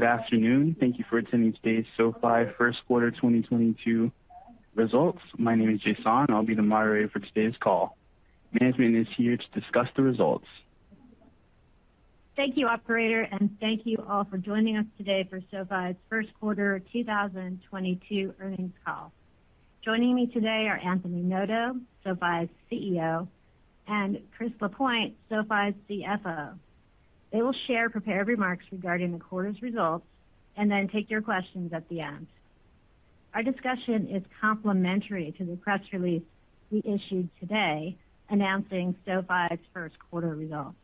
Good afternoon. Thank you for attending today's SoFi first quarter 2022 results. My name is Jason. I'll be the moderator for today's call. Management is here to discuss the results. Thank you, operator, and thank you all for joining us today for SoFi's first quarter 2022 earnings call. Joining me today are Anthony Noto, SoFi's CEO, and Chris Lapointe, SoFi's CFO. They will share prepared remarks regarding the quarter's results and then take your questions at the end. Our discussion is complementary to the press release we issued today announcing SoFi's first quarter results.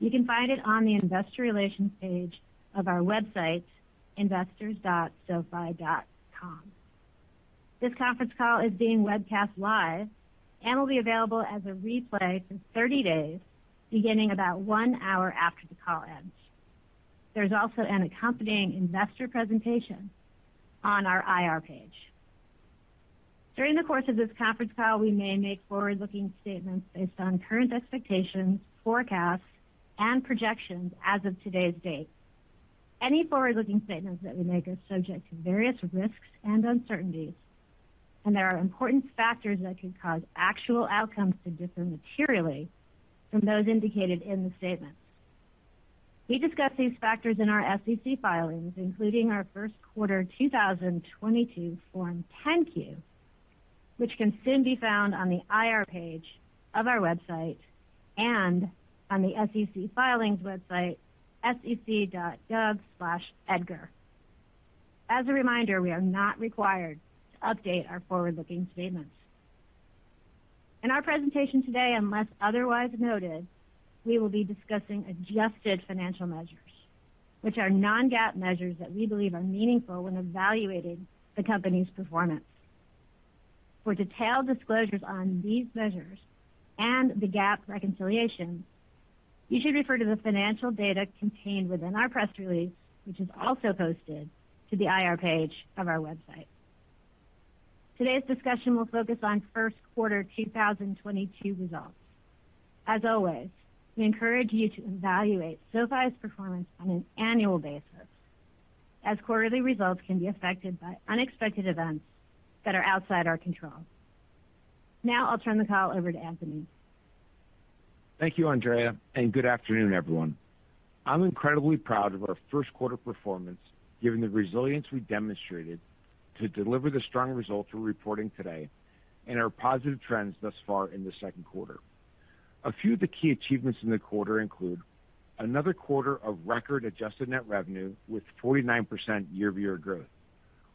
You can find it on the investor relations page of our website, investors.sofi.com. This conference call is being webcast live and will be available as a replay for 30 days, beginning about 1 hour after the call ends. There's also an accompanying investor presentation on our IR page. During the course of this conference call, we may make forward-looking statements based on current expectations, forecasts, and projections as of today's date. Any forward-looking statements that we make are subject to various risks and uncertainties, and there are important factors that could cause actual outcomes to differ materially from those indicated in the statement. We discuss these factors in our SEC filings, including our first quarter 2022 Form 10-Q, which can soon be found on the IR page of our website and on the SEC filings website, sec.gov/edgar. As a reminder, we are not required to update our forward-looking statements. In our presentation today, unless otherwise noted, we will be discussing adjusted financial measures, which are non-GAAP measures that we believe are meaningful when evaluating the company's performance. For detailed disclosures on these measures and the GAAP reconciliation, you should refer to the financial data contained within our press release, which is also posted to the IR page of our website. Today's discussion will focus on first quarter 2022 results. As always, we encourage you to evaluate SoFi's performance on an annual basis, as quarterly results can be affected by unexpected events that are outside our control. Now I'll turn the call over to Anthony. Thank you, Andrea, and good afternoon, everyone. I'm incredibly proud of our first quarter performance, given the resilience we demonstrated to deliver the strong results we're reporting today and our positive trends thus far in the second quarter. A few of the key achievements in the quarter include another quarter of record adjusted net revenue with 49% year-over-year growth.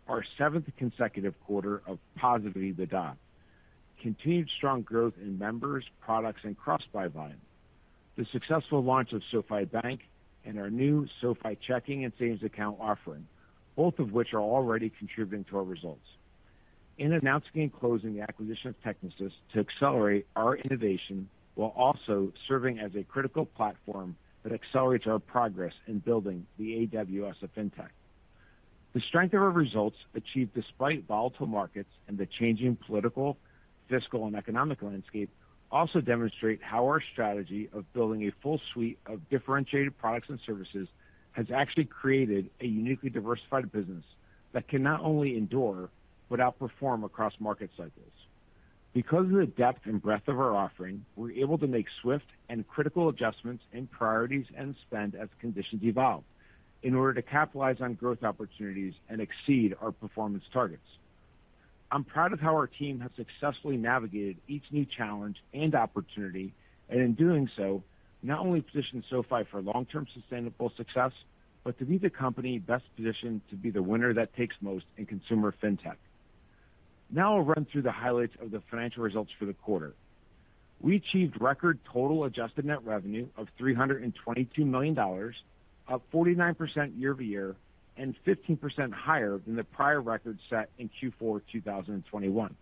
Our seventh consecutive quarter of positive EBITDA. Continued strong growth in members, products, and cross-buy volume. The successful launch of SoFi Bank and our new SoFi Checking and Savings account offering, both of which are already contributing to our results. In announcing and closing the acquisition of Technisys to accelerate our innovation while also serving as a critical platform that accelerates our progress in building the AWS of Fintech. The strength of our results achieved despite volatile markets and the changing political, fiscal, and economic landscape also demonstrate how our strategy of building a full suite of differentiated products and services has actually created a uniquely diversified business that can not only endure but outperform across market cycles. Because of the depth and breadth of our offering, we're able to make swift and critical adjustments in priorities and spend as conditions evolve in order to capitalize on growth opportunities and exceed our performance targets. I'm proud of how our team has successfully navigated each new challenge and opportunity, and in doing so, not only positioned SoFi for long-term sustainable success, but to be the company best positioned to be the winner that takes most in consumer Fintech. Now I'll run through the highlights of the financial results for the quarter. We achieved record total adjusted net revenue of $322 million, up 49% year-over-year and 15% higher than the prior record set in Q4 2021.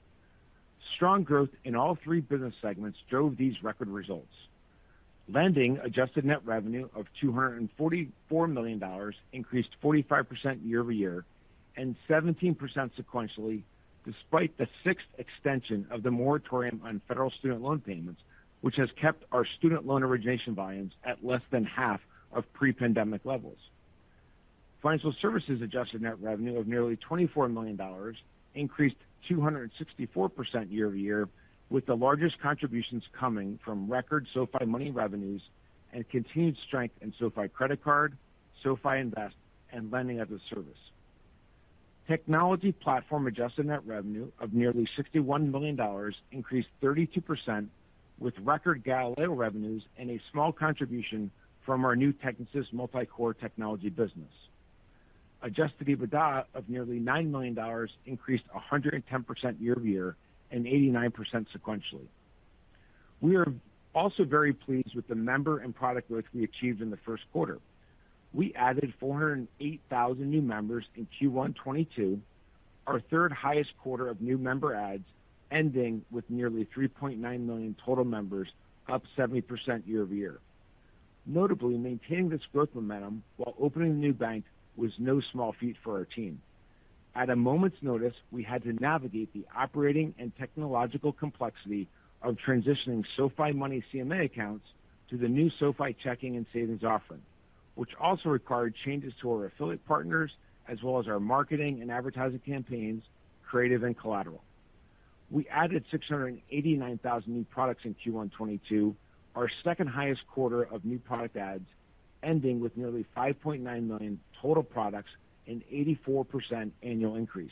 Strong growth in all three business segments drove these record results. Lending adjusted net revenue of $244 million increased 45% year-over-year and 17% sequentially, despite the sixth extension of the moratorium on federal student loan payments, which has kept our student loan origination volumes at less than half of pre-pandemic levels. Financial services adjusted net revenue of nearly $24 million increased 264% year-over-year, with the largest contributions coming from record SoFi Money revenues and continued strength in SoFi Credit Card, SoFi Invest, and Lending as a Service. Technology Platform adjusted net revenue of nearly $61 million increased 32% with record Galileo revenues and a small contribution from our new Technisys multi-core technology business. Adjusted EBITDA of nearly $9 million increased 110% year-over-year and 89% sequentially. We are also very pleased with the member and product growth we achieved in the first quarter. We added 408,000 new members in Q1 2022, our third highest quarter of new member adds, ending with nearly 3.9 million total members, up 70% year-over-year. Notably, maintaining this growth momentum while opening a new bank was no small feat for our team. At a moment's notice, we had to navigate the operating and technological complexity of transitioning SoFi Money CMA accounts to the new SoFi Checking and Savings offering, which also required changes to our affiliate partners as well as our marketing and advertising campaigns, creative, and collateral. We added 689,000 new products in Q1 2022, our second highest quarter of new product adds, ending with nearly 5.9 million total products and 84% annual increase.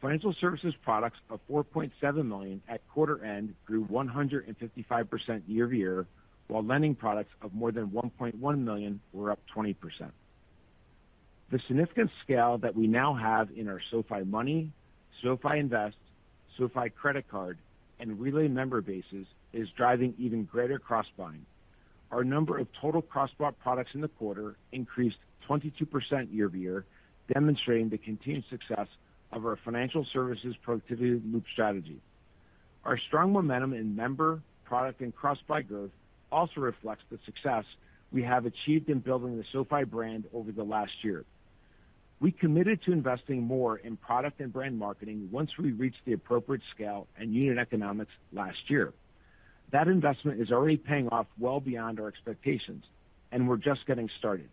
Financial services products of 4.7 million at quarter end grew 155% year over year, while lending products of more than 1.1 million were up 20%. The significant scale that we now have in our SoFi Money, SoFi Invest, SoFi Credit Card, and Relay member bases is driving even greater cross-buying. Our number of total cross-bought products in the quarter increased 22% year-over-year, demonstrating the continued success of our financial services productivity loop strategy. Our strong momentum in member, product, and cross-buy growth also reflects the success we have achieved in building the SoFi brand over the last year. We committed to investing more in product and brand marketing once we reached the appropriate scale and unit economics last year. That investment is already paying off well beyond our expectations, and we're just getting started.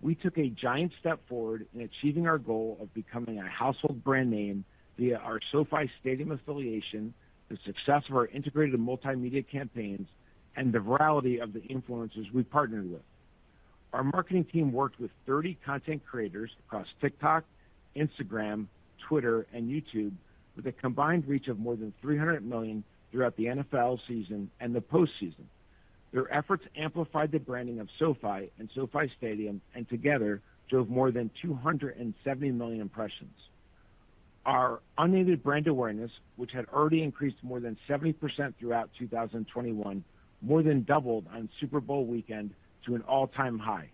We took a giant step forward in achieving our goal of becoming a household brand name via our SoFi Stadium affiliation, the success of our integrated multimedia campaigns, and the virality of the influencers we partnered with. Our marketing team worked with 30 content creators across TikTok, Instagram, Twitter, and YouTube with a combined reach of more than 300 million throughout the NFL season and the post-season. Their efforts amplified the branding of SoFi and SoFi Stadium, and together drove more than 270 million impressions. Our unaided brand awareness, which had already increased more than 70% throughout 2021, more than doubled on Super Bowl weekend to an all-time high.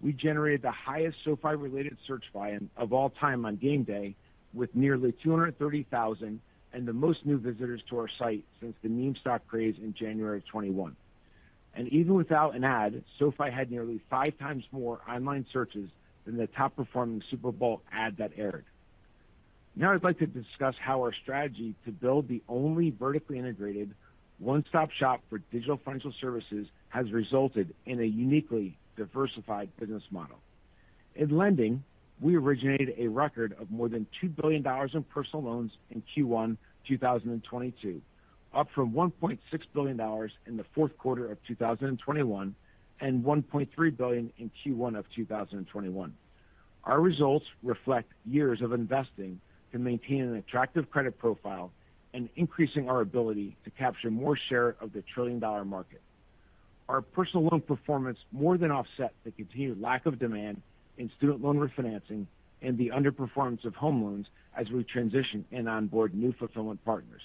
We generated the highest SoFi-related search volume of all time on game day with nearly 230,000, and the most new visitors to our site since the meme stock craze in January of 2021. Even without an ad, SoFi had nearly 5 times more online searches than the top-performing Super Bowl ad that aired. Now I'd like to discuss how our strategy to build the only vertically integrated one-stop shop for digital financial services has resulted in a uniquely diversified business model. In lending, we originated a record of more than $2 billion in personal loans in Q1 2022, up from $1.6 billion in the fourth quarter of 2021, and $1.3 billion in Q1 of 2021. Our results reflect years of investing to maintain an attractive credit profile and increasing our ability to capture more share of the trillion-dollar market. Our personal loan performance more than offset the continued lack of demand in student loan refinancing and the underperformance of home loans as we transition and onboard new fulfillment partners.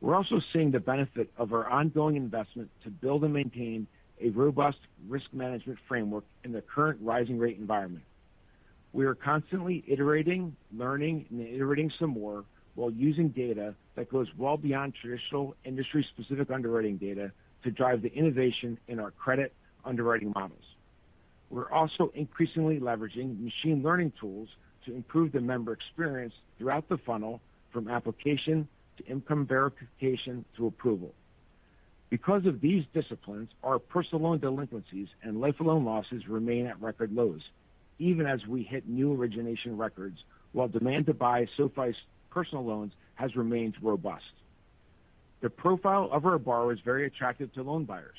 We're also seeing the benefit of our ongoing investment to build and maintain a robust risk management framework in the current rising rate environment. We are constantly iterating, learning, and iterating some more while using data that goes well beyond traditional industry-specific underwriting data to drive the innovation in our credit underwriting models. We're also increasingly leveraging machine learning tools to improve the member experience throughout the funnel from application to income verification to approval. Because of these disciplines, our personal loan delinquencies and loan losses remain at record lows, even as we hit new origination records, while demand to buy SoFi's personal loans has remained robust. The profile of our borrower is very attractive to loan buyers.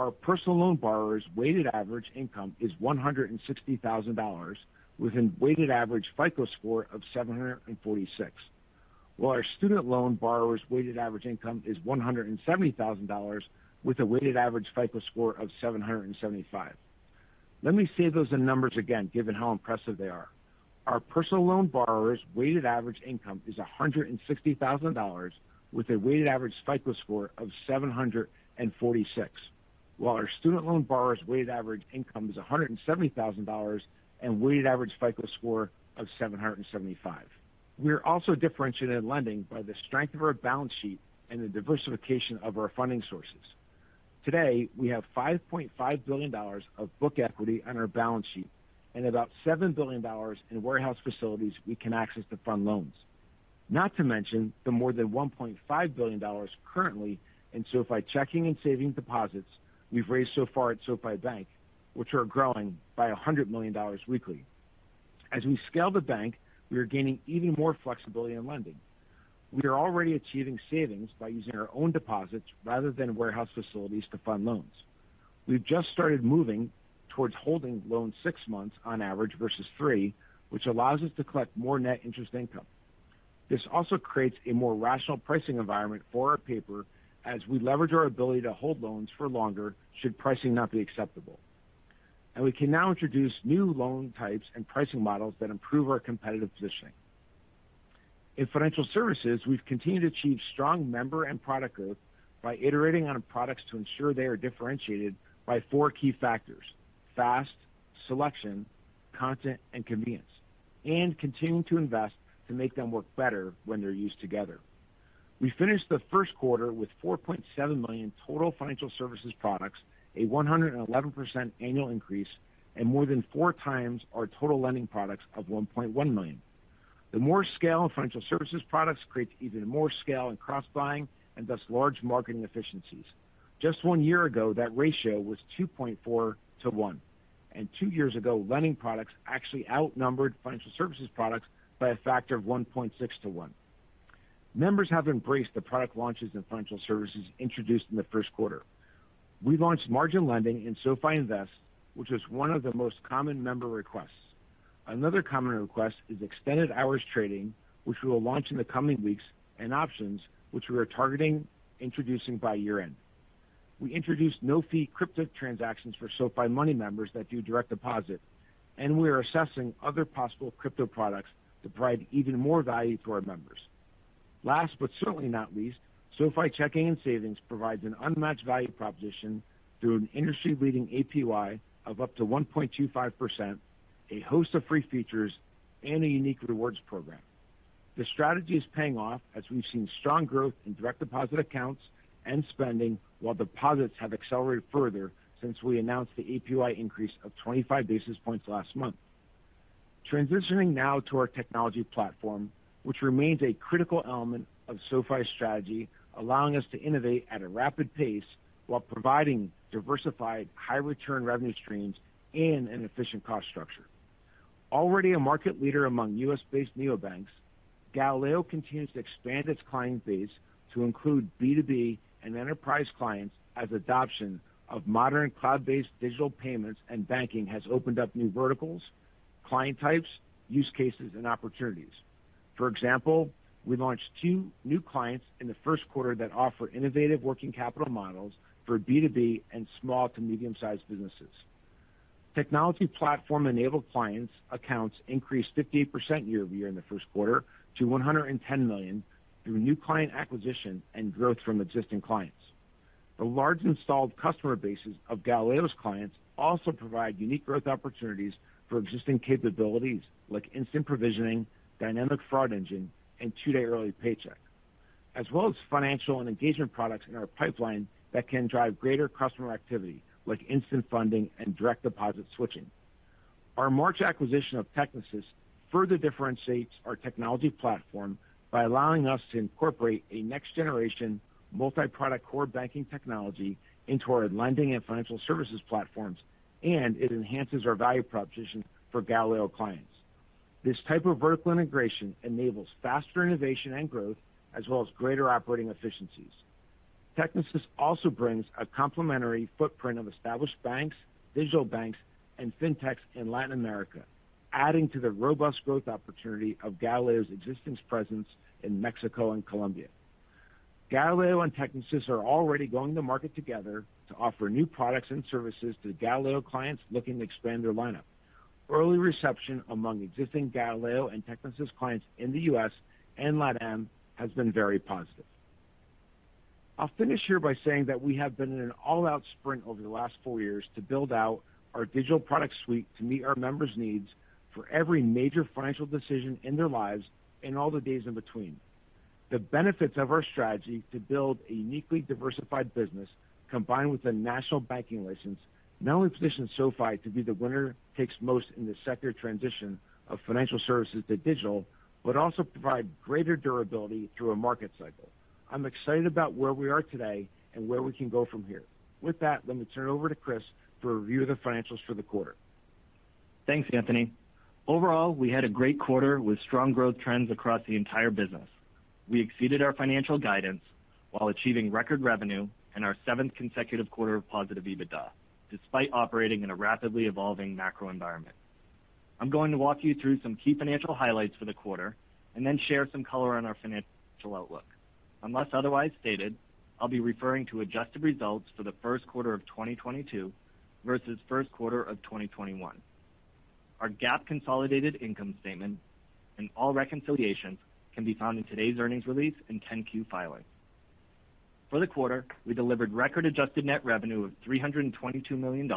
Our personal loan borrowers' weighted average income is $160,000 with a weighted average FICO score of 746, while our student loan borrowers' weighted average income is $170,000 with a weighted average FICO score of 775. Let me say those numbers again, given how impressive they are. Our personal loan borrowers' weighted average income is $160,000 with a weighted average FICO score of 746, while our student loan borrowers' weighted average income is $170,000 and weighted average FICO score of 775. We are also differentiated in lending by the strength of our balance sheet and the diversification of our funding sources. Today, we have $5.5 billion of book equity on our balance sheet and about $7 billion in warehouse facilities we can access to fund loans. Not to mention the more than $1.5 billion currently in SoFi Checking and Savings deposits we've raised so far at SoFi Bank, which are growing by $100 million weekly. As we scale the bank, we are gaining even more flexibility in lending. We are already achieving savings by using our own deposits rather than warehouse facilities to fund loans. We've just started moving towards holding loans six months on average versus three, which allows us to collect more net interest income. This also creates a more rational pricing environment for our paper as we leverage our ability to hold loans for longer should pricing not be acceptable. We can now introduce new loan types and pricing models that improve our competitive positioning. In financial services, we've continued to achieve strong member and product growth by iterating on our products to ensure they are differentiated by four key factors, fast, selection, content, and convenience, and continuing to invest to make them work better when they're used together. We finished the first quarter with 4.7 million total financial services products, a 111% annual increase and more than 4 times our total lending products of 1.1 million. The more scale in financial services products creates even more scale in cross buying and thus large marketing efficiencies. Just one year ago, that ratio was 2.4 to 1, and two years ago, lending products actually outnumbered financial services products by a factor of 1.6 to 1. Members have embraced the product launches in financial services introduced in the first quarter. We launched margin lending in SoFi Invest, which is one of the most common member requests. Another common request is extended hours trading, which we will launch in the coming weeks, and options which we are targeting introducing by year-end. We introduced no-fee crypto transactions for SoFi Money members that do direct deposit, and we are assessing other possible crypto products to provide even more value to our members. Last, but certainly not least, SoFi Checking and Savings provides an unmatched value proposition through an industry-leading APY of up to 1.25%, a host of free features and a unique rewards program. The strategy is paying off as we've seen strong growth in direct deposit accounts and spending, while deposits have accelerated further since we announced the APY increase of 25 basis points last month. Transitioning now to our technology platform, which remains a critical element of SoFi's strategy, allowing us to innovate at a rapid pace while providing diversified, high return revenue streams and an efficient cost structure. Already a market leader among U.S.-based neobanks, Galileo continues to expand its client base to include B2B and enterprise clients as adoption of modern cloud-based digital payments and banking has opened up new verticals, client types, use cases and opportunities. For example, we launched two new clients in the first quarter that offer innovative working capital models for B2B and small to medium-sized businesses. Technology platform-enabled client accounts increased 58% year-over-year in the first quarter to 110 million through new client acquisition and growth from existing clients. The large installed customer bases of Galileo's clients also provide unique growth opportunities for existing capabilities like instant provisioning, dynamic fraud engine, and two-day early paycheck. As well as financial and engagement products in our pipeline that can drive greater customer activity like instant funding and direct deposit switching. Our March acquisition of Technisys further differentiates our technology platform by allowing us to incorporate a next-generation multi-product core banking technology into our lending and financial services platforms, and it enhances our value proposition for Galileo clients. This type of vertical integration enables faster innovation and growth as well as greater operating efficiencies. Technisys also brings a complementary footprint of established banks, digital banks, and fintechs in Latin America, adding to the robust growth opportunity of Galileo's existing presence in Mexico and Colombia. Galileo and Technisys are already going to market together to offer new products and services to Galileo clients looking to expand their lineup. Early reception among existing Galileo and Technisys clients in the U.S. and LatAm has been very positive. I'll finish here by saying that we have been in an all-out sprint over the last four years to build out our digital product suite to meet our members' needs for every major financial decision in their lives and all the days in between. The benefits of our strategy to build a uniquely diversified business, combined with a national banking license, not only positions SoFi to be the winner takes most in the sector transition of financial services to digital, but also provide greater durability through a market cycle. I'm excited about where we are today and where we can go from here. With that, let me turn it over to Chris for a review of the financials for the quarter. Thanks, Anthony. Overall, we had a great quarter with strong growth trends across the entire business. We exceeded our financial guidance while achieving record revenue and our seventh consecutive quarter of positive EBITDA, despite operating in a rapidly evolving macro environment. I'm going to walk you through some key financial highlights for the quarter and then share some color on our financial outlook. Unless otherwise stated, I'll be referring to adjusted results for the first quarter of 2022 versus first quarter of 2021. Our GAAP consolidated income statement and all reconciliations can be found in today's earnings release and 10-Q filing. For the quarter, we delivered record adjusted net revenue of $322 million,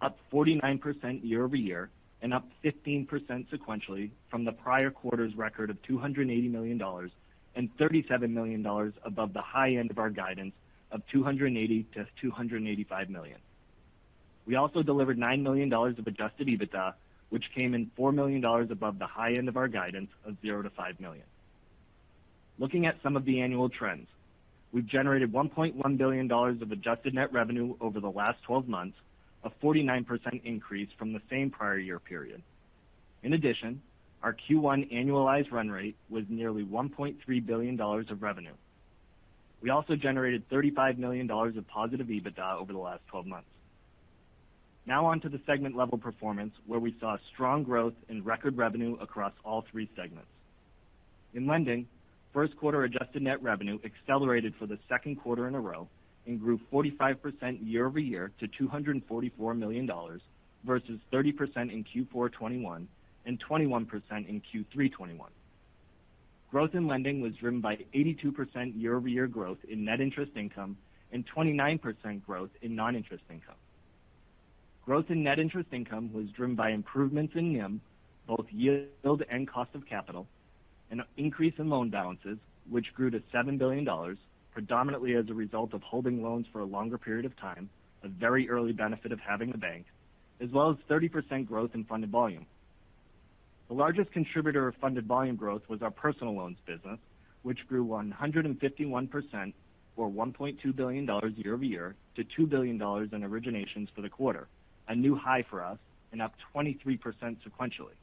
up 49% year-over-year and up 15% sequentially from the prior quarter's record of $280 million and $37 million above the high end of our guidance of $280 million-$285 million. We also delivered $9 million of adjusted EBITDA, which came in $4 million above the high end of our guidance of $0-$5 million. Looking at some of the annual trends, we've generated $1.1 billion of adjusted net revenue over the last twelve months, a 49% increase from the same prior year period. In addition, our Q1 annualized run rate was nearly $1.3 billion of revenue. We also generated $35 million of positive EBITDA over the last 12 months. Now on to the segment level performance, where we saw strong growth in record revenue across all three segments. In lending, first quarter adjusted net revenue accelerated for the second quarter in a row and grew 45% year-over-year to $244 million versus 30% in Q4 2021 and 21% in Q3 2021. Growth in lending was driven by 82% year-over-year growth in net interest income and 29% growth in non-interest income. Growth in net interest income was driven by improvements in NIM, both yield and cost of capital, an increase in loan balances which grew to $7 billion predominantly as a result of holding loans for a longer period of time, a very early benefit of having the bank, as well as 30% growth in funded volume. The largest contributor of funded volume growth was our personal loans business, which grew 151% or $1.2 billion year-over-year to $2 billion in originations for the quarter, a new high for us and up 23% sequentially.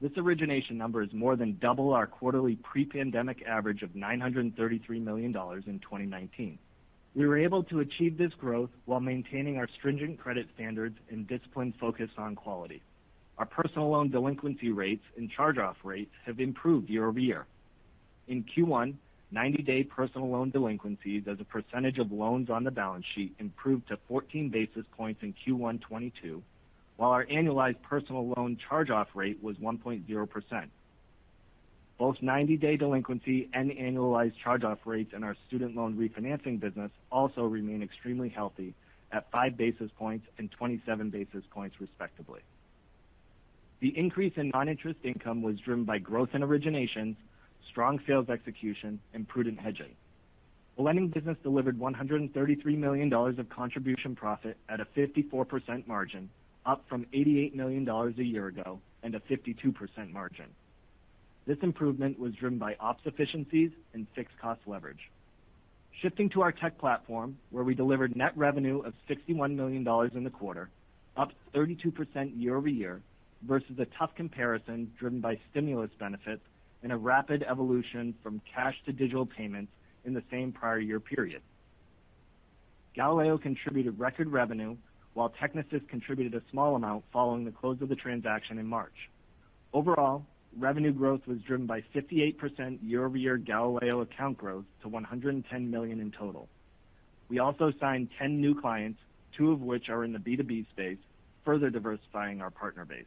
This origination number is more than double our quarterly pre-pandemic average of $933 million in 2019. We were able to achieve this growth while maintaining our stringent credit standards and disciplined focus on quality. Our personal loan delinquency rates and charge-off rates have improved year-over-year. In Q1, 90-day personal loan delinquencies as a percentage of loans on the balance sheet improved to 14 basis points in Q1 2022, while our annualized personal loan charge-off rate was 1.0%. Both 90-day delinquency and annualized charge-off rates in our student loan refinancing business also remain extremely healthy at 5 basis points and 27 basis points, respectively. The increase in non-interest income was driven by growth in originations, strong sales execution, and prudent hedging. The lending business delivered $133 million of contribution profit at a 54% margin, up from $88 million a year ago and a 52% margin. This improvement was driven by ops efficiencies and fixed cost leverage. Shifting to our tech platform, where we delivered net revenue of $61 million in the quarter, up 32% year-over-year versus a tough comparison driven by stimulus benefits and a rapid evolution from cash to digital payments in the same prior year period. Galileo contributed record revenue while Technisys contributed a small amount following the close of the transaction in March. Overall, revenue growth was driven by 58% year-over-year Galileo account growth to 110 million in total. We also signed 10 new clients, 2 of which are in the B2B space, further diversifying our partner base.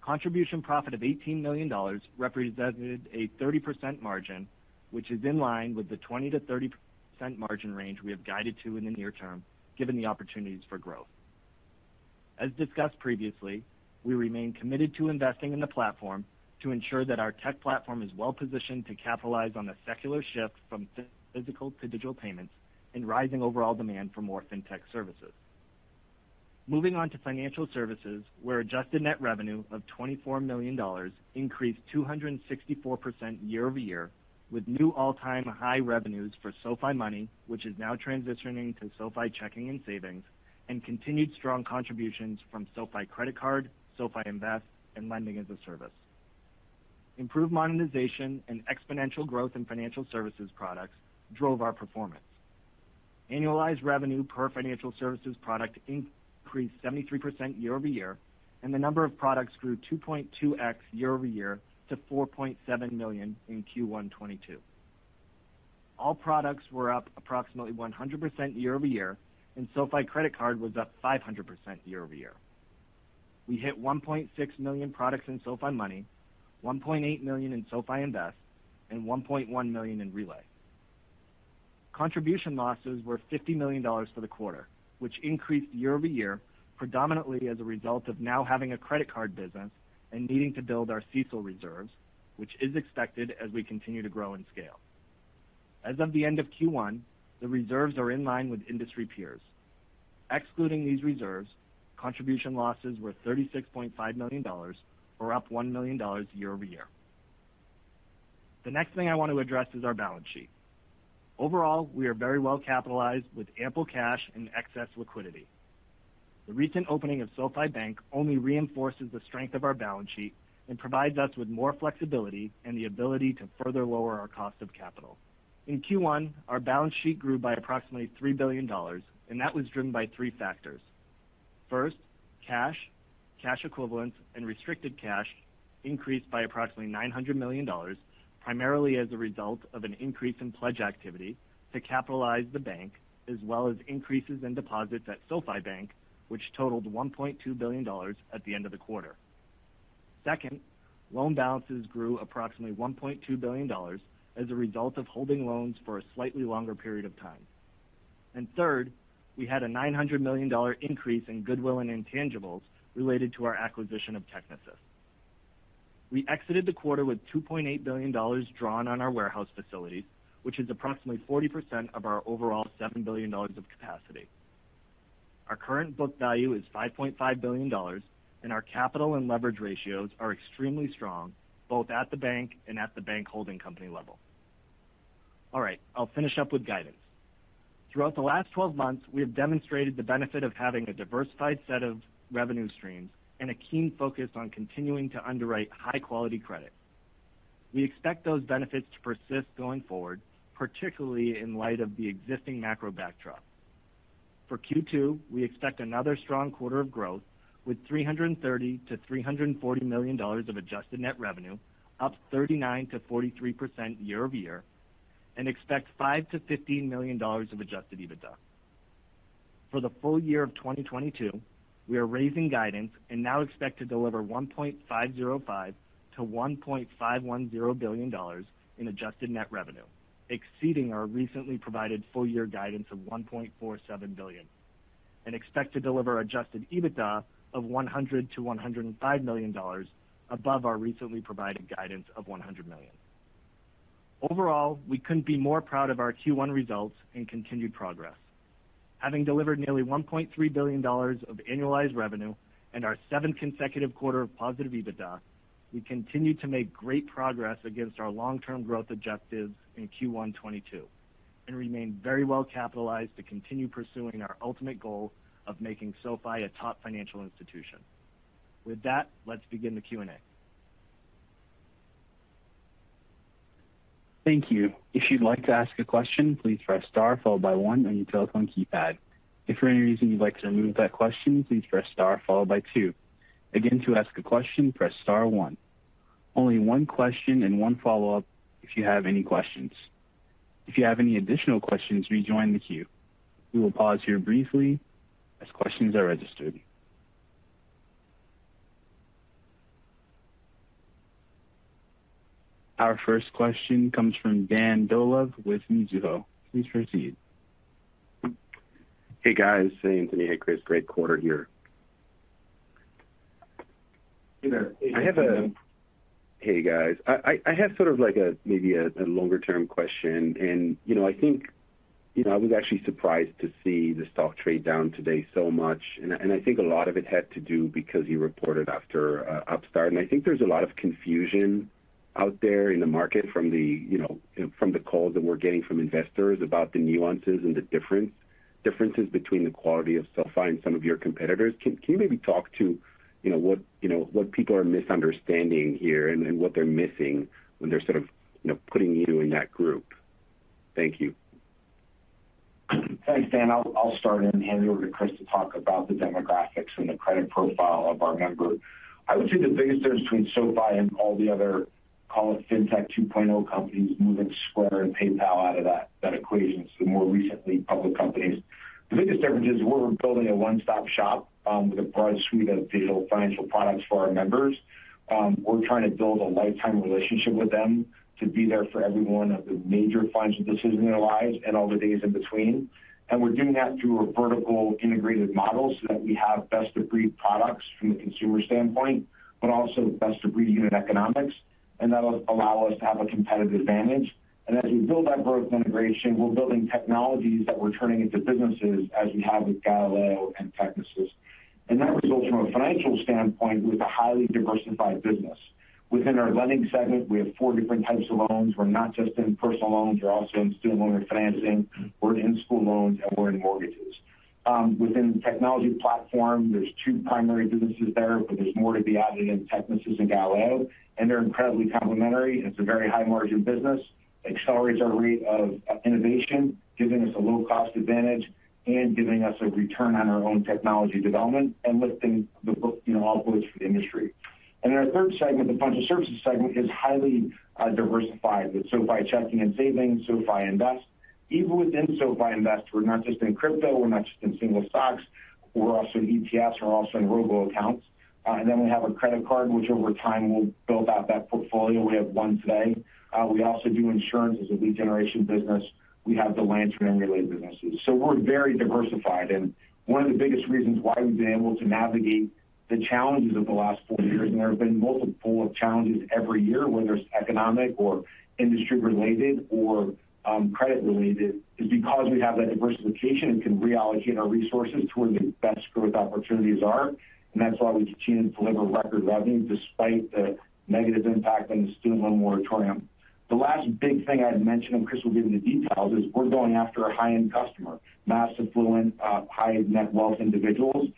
Contribution profit of $18 million represented a 30% margin, which is in line with the 20%-30% margin range we have guided to in the near term given the opportunities for growth. As discussed previously, we remain committed to investing in the platform to ensure that our tech platform is well-positioned to capitalize on the secular shift from physical to digital payments and rising overall demand for more fintech services. Moving on to financial services where adjusted net revenue of $24 million increased 264% year-over-year with new all-time high revenues for SoFi Money, which is now transitioning to SoFi Checking and Savings, and continued strong contributions from SoFi Credit Card, SoFi Invest, and Lending as a Service. Improved monetization and exponential growth in financial services products drove our performance. Annualized revenue per financial services product increased 73% year-over-year, and the number of products grew 2.2x year-over-year to 4.7 million in Q1 2022. All products were up approximately 100% year-over-year, and SoFi Credit Card was up 500% year-over-year. We hit 1.6 million products in SoFi Money, 1.8 million in SoFi Invest, and 1.1 million in SoFi Relay. Contribution losses were $50 million for the quarter, which increased year-over-year predominantly as a result of now having a credit card business and needing to build our CECL reserves, which is expected as we continue to grow and scale. As of the end of Q1, the reserves are in line with industry peers. Excluding these reserves, contribution losses were $36.5 million or up $1 million year-over-year. The next thing I want to address is our balance sheet. Overall, we are very well capitalized with ample cash and excess liquidity. The recent opening of SoFi Bank only reinforces the strength of our balance sheet and provides us with more flexibility and the ability to further lower our cost of capital. In Q1, our balance sheet grew by approximately $3 billion, and that was driven by three factors. First, cash equivalents, and restricted cash increased by approximately $900 million, primarily as a result of an increase in pledge activity to capitalize the bank, as well as increases in deposits at SoFi Bank, which totaled $1.2 billion at the end of the quarter. Second, loan balances grew approximately $1.2 billion as a result of holding loans for a slightly longer period of time. Third, we had a $900 million increase in goodwill and intangibles related to our acquisition of Technisys. We exited the quarter with $2.8 billion drawn on our warehouse facilities, which is approximately 40% of our overall $7 billion of capacity. Our current book value is $5.5 billion, and our capital and leverage ratios are extremely strong, both at the bank and at the bank holding company level. All right, I'll finish up with guidance. Throughout the last 12 months, we have demonstrated the benefit of having a diversified set of revenue streams and a keen focus on continuing to underwrite high-quality credit. We expect those benefits to persist going forward, particularly in light of the existing macro backdrop. For Q2, we expect another strong quarter of growth with $330 million-$340 million of adjusted net revenue, up 39%-43% year-over-year, and expect $5 million-$15 million of adjusted EBITDA. For the full year of 2022, we are raising guidance and now expect to deliver $1.505 billion-$1.510 billion in adjusted net revenue. Exceeding our recently provided full-year guidance of $1.47 billion, and expect to deliver adjusted EBITDA of $100 million-$105 million above our recently provided guidance of $100 million. Overall, we couldn't be more proud of our Q1 results and continued progress. Having delivered nearly $1.3 billion of annualized revenue and our seventh consecutive quarter of positive EBITDA, we continue to make great progress against our long-term growth objectives in Q1 2022, and remain very well capitalized to continue pursuing our ultimate goal of making SoFi a top financial institution. With that, let's begin the Q&A. Thank you. If you'd like to ask a question, please press star followed by one on your telephone keypad. If for any reason you'd like to remove that question, please press star followed by two. Again, to ask a question, press star one. Only one question and one follow-up if you have any questions. If you have any additional questions, rejoin the queue. We will pause here briefly as questions are registered. Our first question comes from Dan Dolev with Mizuho. Please proceed. Hey, guys. Hey, Anthony. Hey, Chris. Great quarter here. Hey, Dan. Hey, guys. I have sort of like a maybe longer-term question. You know, I think you know I was actually surprised to see the stock trade down today so much. I think a lot of it had to do because you reported after Upstart. I think there's a lot of confusion out there in the market from the you know from the calls that we're getting from investors about the nuances and the differences between the quality of SoFi and some of your competitors. Can you maybe talk to you know what you know what people are misunderstanding here and what they're missing when they're sort of you know putting you in that group? Thank you. Thanks, Dan. I'll start and hand you over to Chris Lapointe to talk about the demographics and the credit profile of our members. I would say the biggest difference between SoFi and all the other, call it FinTech 2.0 companies, moving Square and PayPal out of that equation to the more recently public companies. The biggest difference is we're building a one-stop-shop with a broad suite of digital financial products for our members. We're trying to build a lifetime relationship with them to be there for every one of the major financial decisions in their lives and all the days in between. We're doing that through a vertically integrated model so that we have best-of-breed products from the consumer standpoint, but also best-of-breed unit economics, and that'll allow us to have a competitive advantage. As we build that vertical integration, we're building technologies that we're turning into businesses as we have with Galileo and Technisys. That results from a financial standpoint with a highly diversified business. Within our lending segment, we have four different types of loans. We're not just in personal loans, we're also in student loan refinancing, we're in school loans, and we're in mortgages. Within the technology platform, there's two primary businesses there, but there's more to be added in Technisys and Galileo, and they're incredibly complementary. It's a very high-margin business. Accelerates our rate of innovation, giving us a low-cost advantage and giving us a return on our own technology development and lifting the book, you know, all boats for the industry. Our third segment, the financial services segment, is highly diversified with SoFi Checking and Savings, SoFi Invest. Even within SoFi Invest, we're not just in crypto, we're not just in single stocks, we're also in ETFs, we're also in robo accounts. And then we have a credit card, which over time we'll build out that portfolio. We have one today. We also do insurance as a lead generation business. We have the Lantern and related businesses. We're very diversified. One of the biggest reasons why we've been able to navigate the challenges of the last four years, and there have been multiple challenges every year, whether it's economic or industry-related or credit-related, is because we have that diversification and can reallocate our resources to where the best growth opportunities are. That's why we've continued to deliver record revenue despite the negative impact on the student loan moratorium. The last big thing I'd mention, and Chris will give you the details, is we're going after a high-end customer, mass affluent, high-net-worth individuals,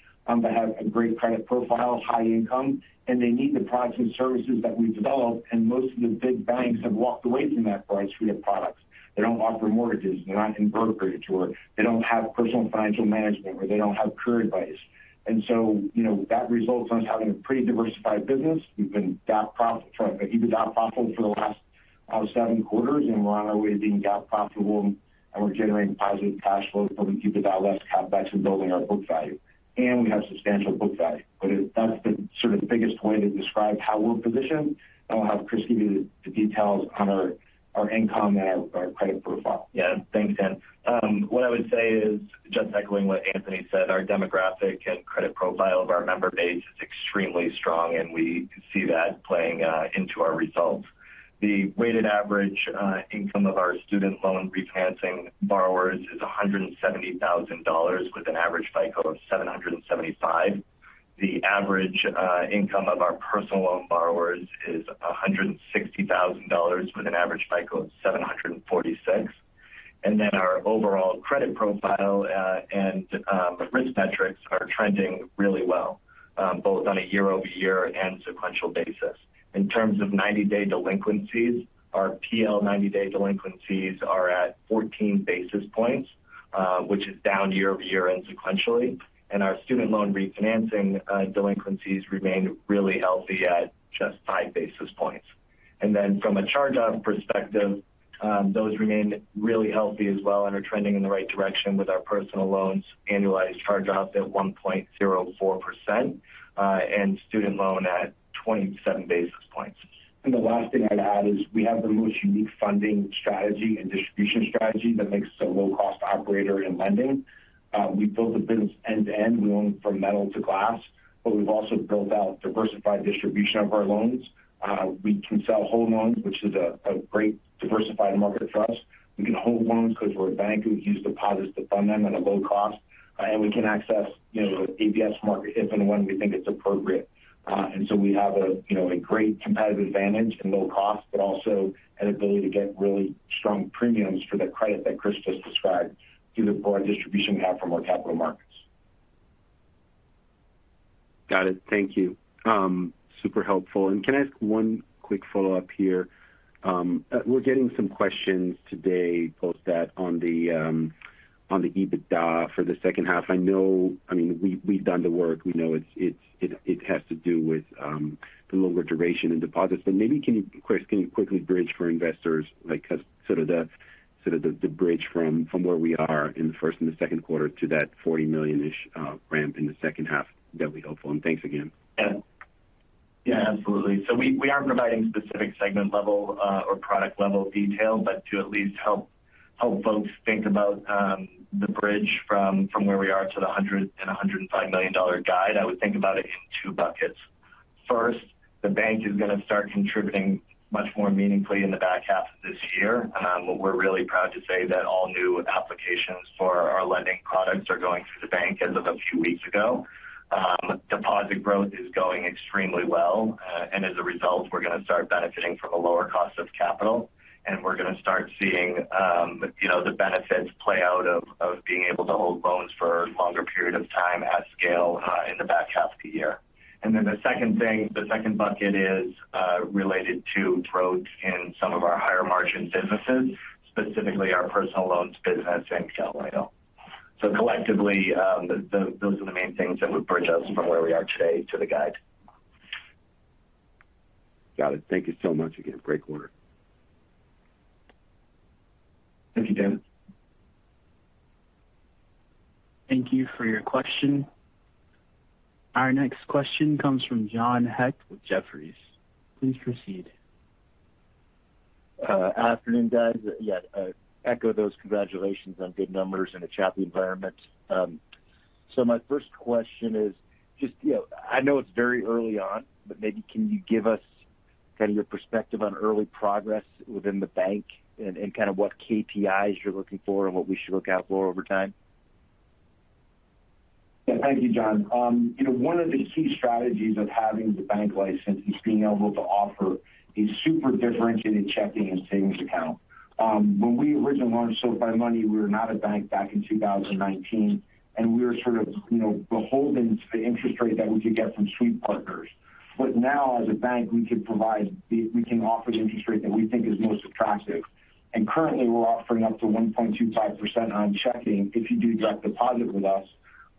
that have a great credit profile, high income, and they need the products and services that we've developed, and most of the big banks have walked away from that broad suite of products. They don't offer mortgages, they're not in brokerage, or they don't have personal financial management, or they don't have career advice. You know, that results in us having a pretty diversified business. We've been EBITDA profitable for the last seven quarters, and we're on our way to being GAAP profitable, and we're generating positive cash flow from the EBITDA less CapEx and building our book value. We have substantial book value. That's the sort of biggest way to describe how we're positioned, and we'll have Chris give you the details on our income and our credit profile. Yeah. Thanks, Dan. What I would say is just echoing what Anthony said, our demographic and credit profile of our member base is extremely strong, and we see that playing into our results. The weighted average income of our student loan refinancing borrowers is $170,000 with an average FICO of 775. The average income of our personal loan borrowers is $160,000 with an average FICO of 746. Our overall credit profile and risk metrics are trending really well both on a year-over-year and sequential basis. In terms of ninety-day delinquencies, our PL ninety-day delinquencies are at 14 basis points, which is down year-over-year and sequentially. Our student loan refinancing delinquencies remain really healthy at just 5 basis points. From a charge-off perspective, those remain really healthy as well and are trending in the right direction with our personal loans annualized charge-offs at 1.04%, and student loan at 27 basis points. The last thing I'd add is we have the most unique funding strategy and distribution strategy that makes us a low-cost operator in lending. We build the business end-to-end. We own from metal to glass, but we've also built out diversified distribution of our loans. We can sell whole loans, which is a great diversifying market for us. We can hold loans because we're a bank. We use deposits to fund them at a low cost. We can access, you know, the ABS market if and when we think it's appropriate. We have you know a great competitive advantage in low cost, but also an ability to get really strong premiums for the credit that Chris just described due to our distribution we have from our capital markets. Got it. Thank you. Super helpful. Can I ask one quick follow-up here? We're getting some questions today, post that on the EBITDA for the second half. I mean, we've done the work. We know it has to do with the lower duration in deposits. But maybe can you Chris, can you quickly bridge for investors, like, as sort of the bridge from where we are in the first and the second quarter to that $40 million-ish ramp in the second half? That'd be helpful. Thanks again. Yeah. Yeah, absolutely. We aren't providing specific segment-level or product-level detail, but to at least help folks think about the bridge from where we are to the $105 million guide, I would think about it in two buckets. First, the bank is going to start contributing much more meaningfully in the back half of this year. We're really proud to say that all new applications for our lending products are going through the bank as of a few weeks ago. Deposit growth is going extremely well. As a result, we're going to start benefiting from a lower cost of capital, and we're going to start seeing, you know, the benefits play out of being able to hold loans for a longer period of time at scale, in the back half of the year. Then the second thing, the second bucket is related to growth in some of our higher-margin businesses, specifically our personal loans business in Galileo. Collectively, those are the main things that would bridge us from where we are today to the guide. Got it. Thank you so much again. Great quarter. Thank you, Dan Dolev. Thank you for your question. Our next question comes from John Hecht with Jefferies. Please proceed. Afternoon, guys. Yeah, echo those congratulations on good numbers in a choppy environment. My first question is just, you know, I know it's very early on, but maybe can you give us kind of your perspective on early progress within the bank and kind of what KPIs you're looking for and what we should look out for over time? Yeah. Thank you, John. You know, one of the key strategies of having the bank license is being able to offer a super differentiated checking and savings account. When we originally launched SoFi Money, we were not a bank back in 2019, and we were sort of, you know, beholden to the interest rate that we could get from sweep partners. Now as a bank, we can offer the interest rate that we think is most attractive. Currently, we're offering up to 1.25% on checking if you do direct deposit with us,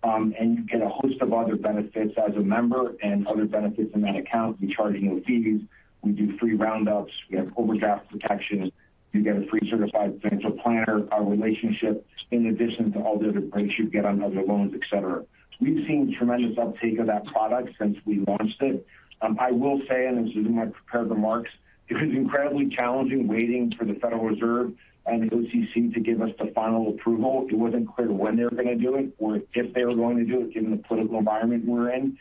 and you get a host of other benefits as a member and other benefits in that account. We charge no fees. We do free roundups. We have overdraft protection. You get a free certified financial planner relationship in addition to all the other rates you get on other loans, et cetera. We've seen tremendous uptake of that product since we launched it. I will say, and this is in my prepared remarks, it was incredibly challenging waiting for the Federal Reserve and OCC to give us the final approval. It wasn't clear when they were going to do it or if they were going to do it given the political environment we're in.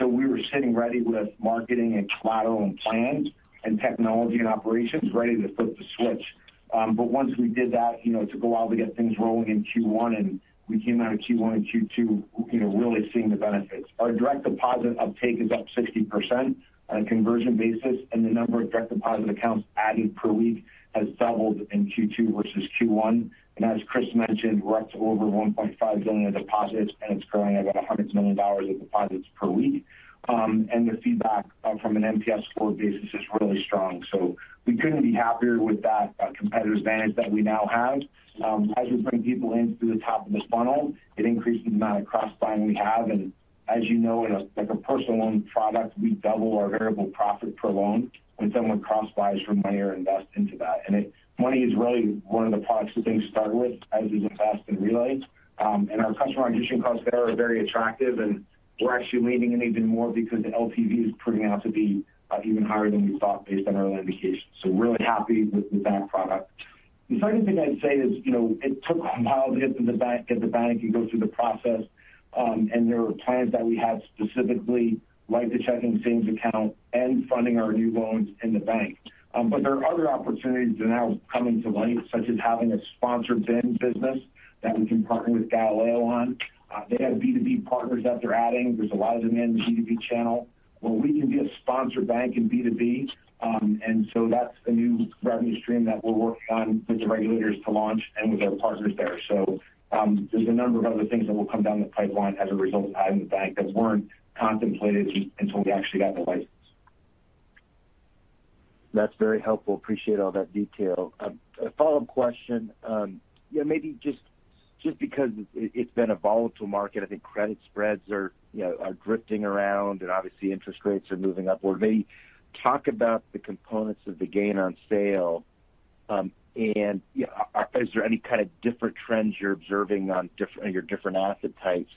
We were sitting ready with marketing and collateral and plans and technology and operations ready to flip the switch. Once we did that, you know, it took a while to get things rolling in Q1, and we came out of Q1 and Q2, you know, really seeing the benefits. Our direct deposit uptake is up 60% on a conversion basis, and the number of direct deposit accounts added per week has doubled in Q2 versus Q1. As Chris mentioned, we're at over $1.5 billion in deposits, and it's growing at about $100 million of deposits per week. The feedback from an NPS score basis is really strong. We couldn't be happier with that competitive advantage that we now have. As we bring people in through the top of this funnel, it increases the amount of cross-buying we have. As you know, like a personal loan product, we double our variable profit per loan when someone cross-buys from Money or Invest into that. Money is really one of the products that they start with as is Invest and Relay. Our customer acquisition costs there are very attractive, and we're actually leaning in even more because the LTV is proving out to be, even higher than we thought based on early indications. Really happy with the bank product. The second thing I'd say is, you know, it took a while to get the bank and go through the process. There were plans that we had specifically, like the checking and savings account and funding our new loans in the bank. There are other opportunities that are now coming to light, such as having a sponsored BIN business that we can partner with Galileo on. They have B2B partners that they're adding. There's a lot of them in the B2B channel where we can be a sponsor bank in B2B. That's a new revenue stream that we're working on with the regulators to launch and with our partners there. There's a number of other things that will come down the pipeline as a result of adding the bank that weren't contemplated until we actually got the license. That's very helpful. Appreciate all that detail. A follow-up question. Yeah, maybe just because it's been a volatile market, I think credit spreads are, you know, drifting around and obviously interest rates are moving upward. Maybe talk about the components of the gain on sale, and, you know, is there any kind of different trends you're observing on your different asset types,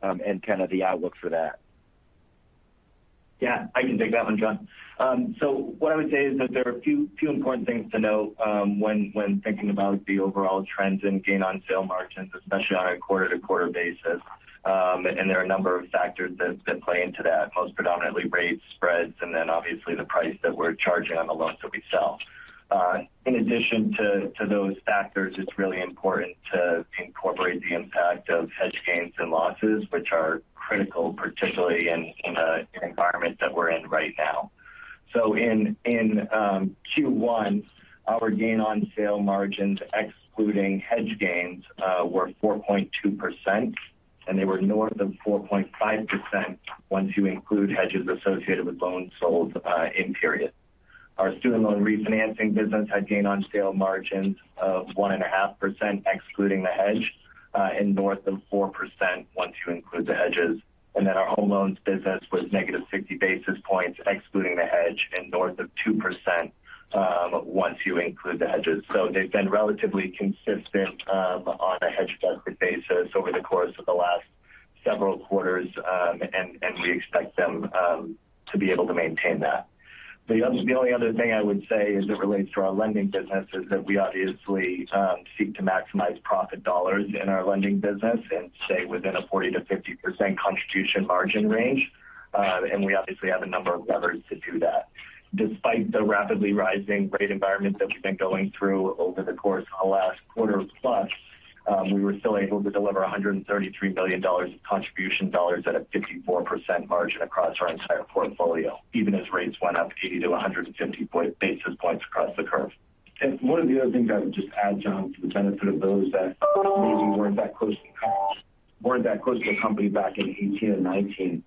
and kind of the outlook for that? Yeah, I can take that one, John. So what I would say is that there are a few important things to note, when thinking about the overall trends in gain on sale margins, especially on a quarter-to-quarter basis. There are a number of factors that play into that. Most predominantly rate spreads and then obviously the price that we're charging on the loans that we sell. In addition to those factors, it's really important to incorporate the impact of hedge gains and losses, which are critical, particularly in the environment that we're in right now. In Q1, our gain on sale margins, excluding hedge gains, were 4.2%, and they were north of 4.5% once you include hedges associated with loans sold, in period. Our student loan refinancing business had gain on sale margins of 1.5%, excluding the hedge, and north of 4% once you include the hedges. Our home loans business was negative 60 basis points, excluding the hedge, and north of 2%, once you include the hedges. They've been relatively consistent, on a hedge-adjusted basis over the course of the last several quarters, and we expect them to be able to maintain that. The only other thing I would say as it relates to our lending business is that we obviously seek to maximize profit dollars in our lending business and stay within a 40%-50% contribution margin range. We obviously have a number of levers to do that. Despite the rapidly rising rate environment that we've been going through over the course of the last quarter plus, we were still able to deliver $133 million contribution dollars at a 54% margin across our entire portfolio, even as rates went up 80-150 basis points across the curve. One of the other things I would just add, John, to the benefit of those that maybe weren't that close to the company back in 2018 and 2019.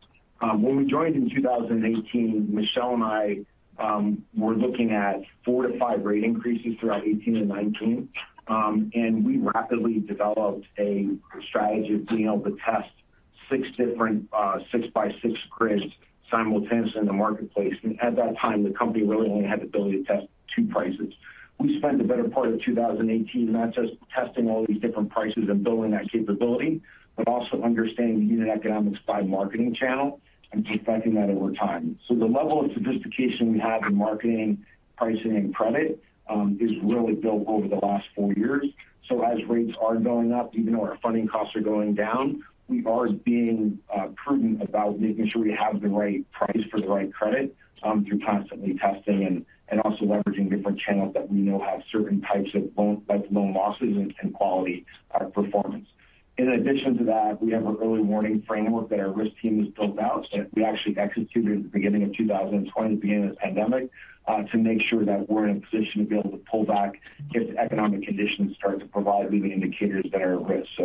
When we joined in 2018, Michelle and I were looking at 4-5 rate increases throughout 2018 and 2019. We rapidly developed a strategy of being able to test six different six-by-six grids simultaneously in the marketplace. At that time, the company really only had the ability to test 2 prices. We spent the better part of 2018 not just testing all these different prices and building that capability, but also understanding the unit economics by marketing channel and perfecting that over time. The level of sophistication we have in marketing, pricing, and credit is really built over the last four years. As rates are going up, even though our funding costs are going down, we've always been prudent about making sure we have the right price for the right credit through constantly testing and also leveraging different channels that we know have certain types of loan losses and quality performance. In addition to that, we have an early warning framework that our risk team has built out that we actually executed at the beginning of 2020, beginning of the pandemic, to make sure that we're in a position to be able to pull back if economic conditions start to provide leading indicators that are at risk.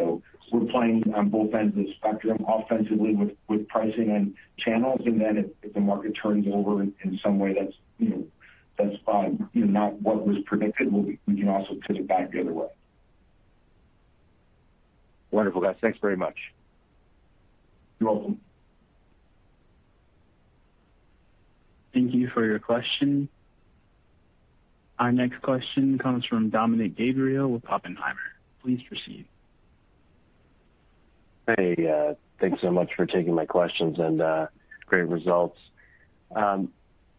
We're playing on both ends of the spectrum offensively with pricing and channels. If the market turns over in some way that's, you know, not what was predicted, we can also pivot back the other way. Wonderful, guys. Thanks very much. You're welcome. Thank you for your question. Our next question comes from Dominick Gabriele with Oppenheimer. Please proceed. Hey. Thanks so much for taking my questions and great results.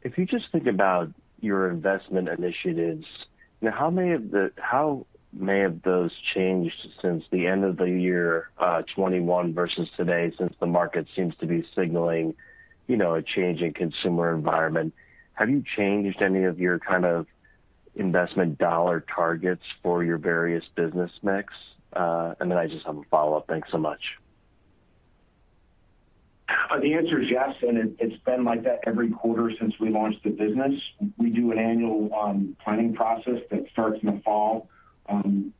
If you just think about your investment initiatives, you know, how many have those changed since the end of the year 2021 versus today, since the market seems to be signaling, you know, a change in consumer environment? Have you changed any of your kind of investment dollar targets for your various business mix? And then I just have a follow-up. Thanks so much. The answer is yes, it's been like that every quarter since we launched the business. We do an annual planning process that starts in the fall.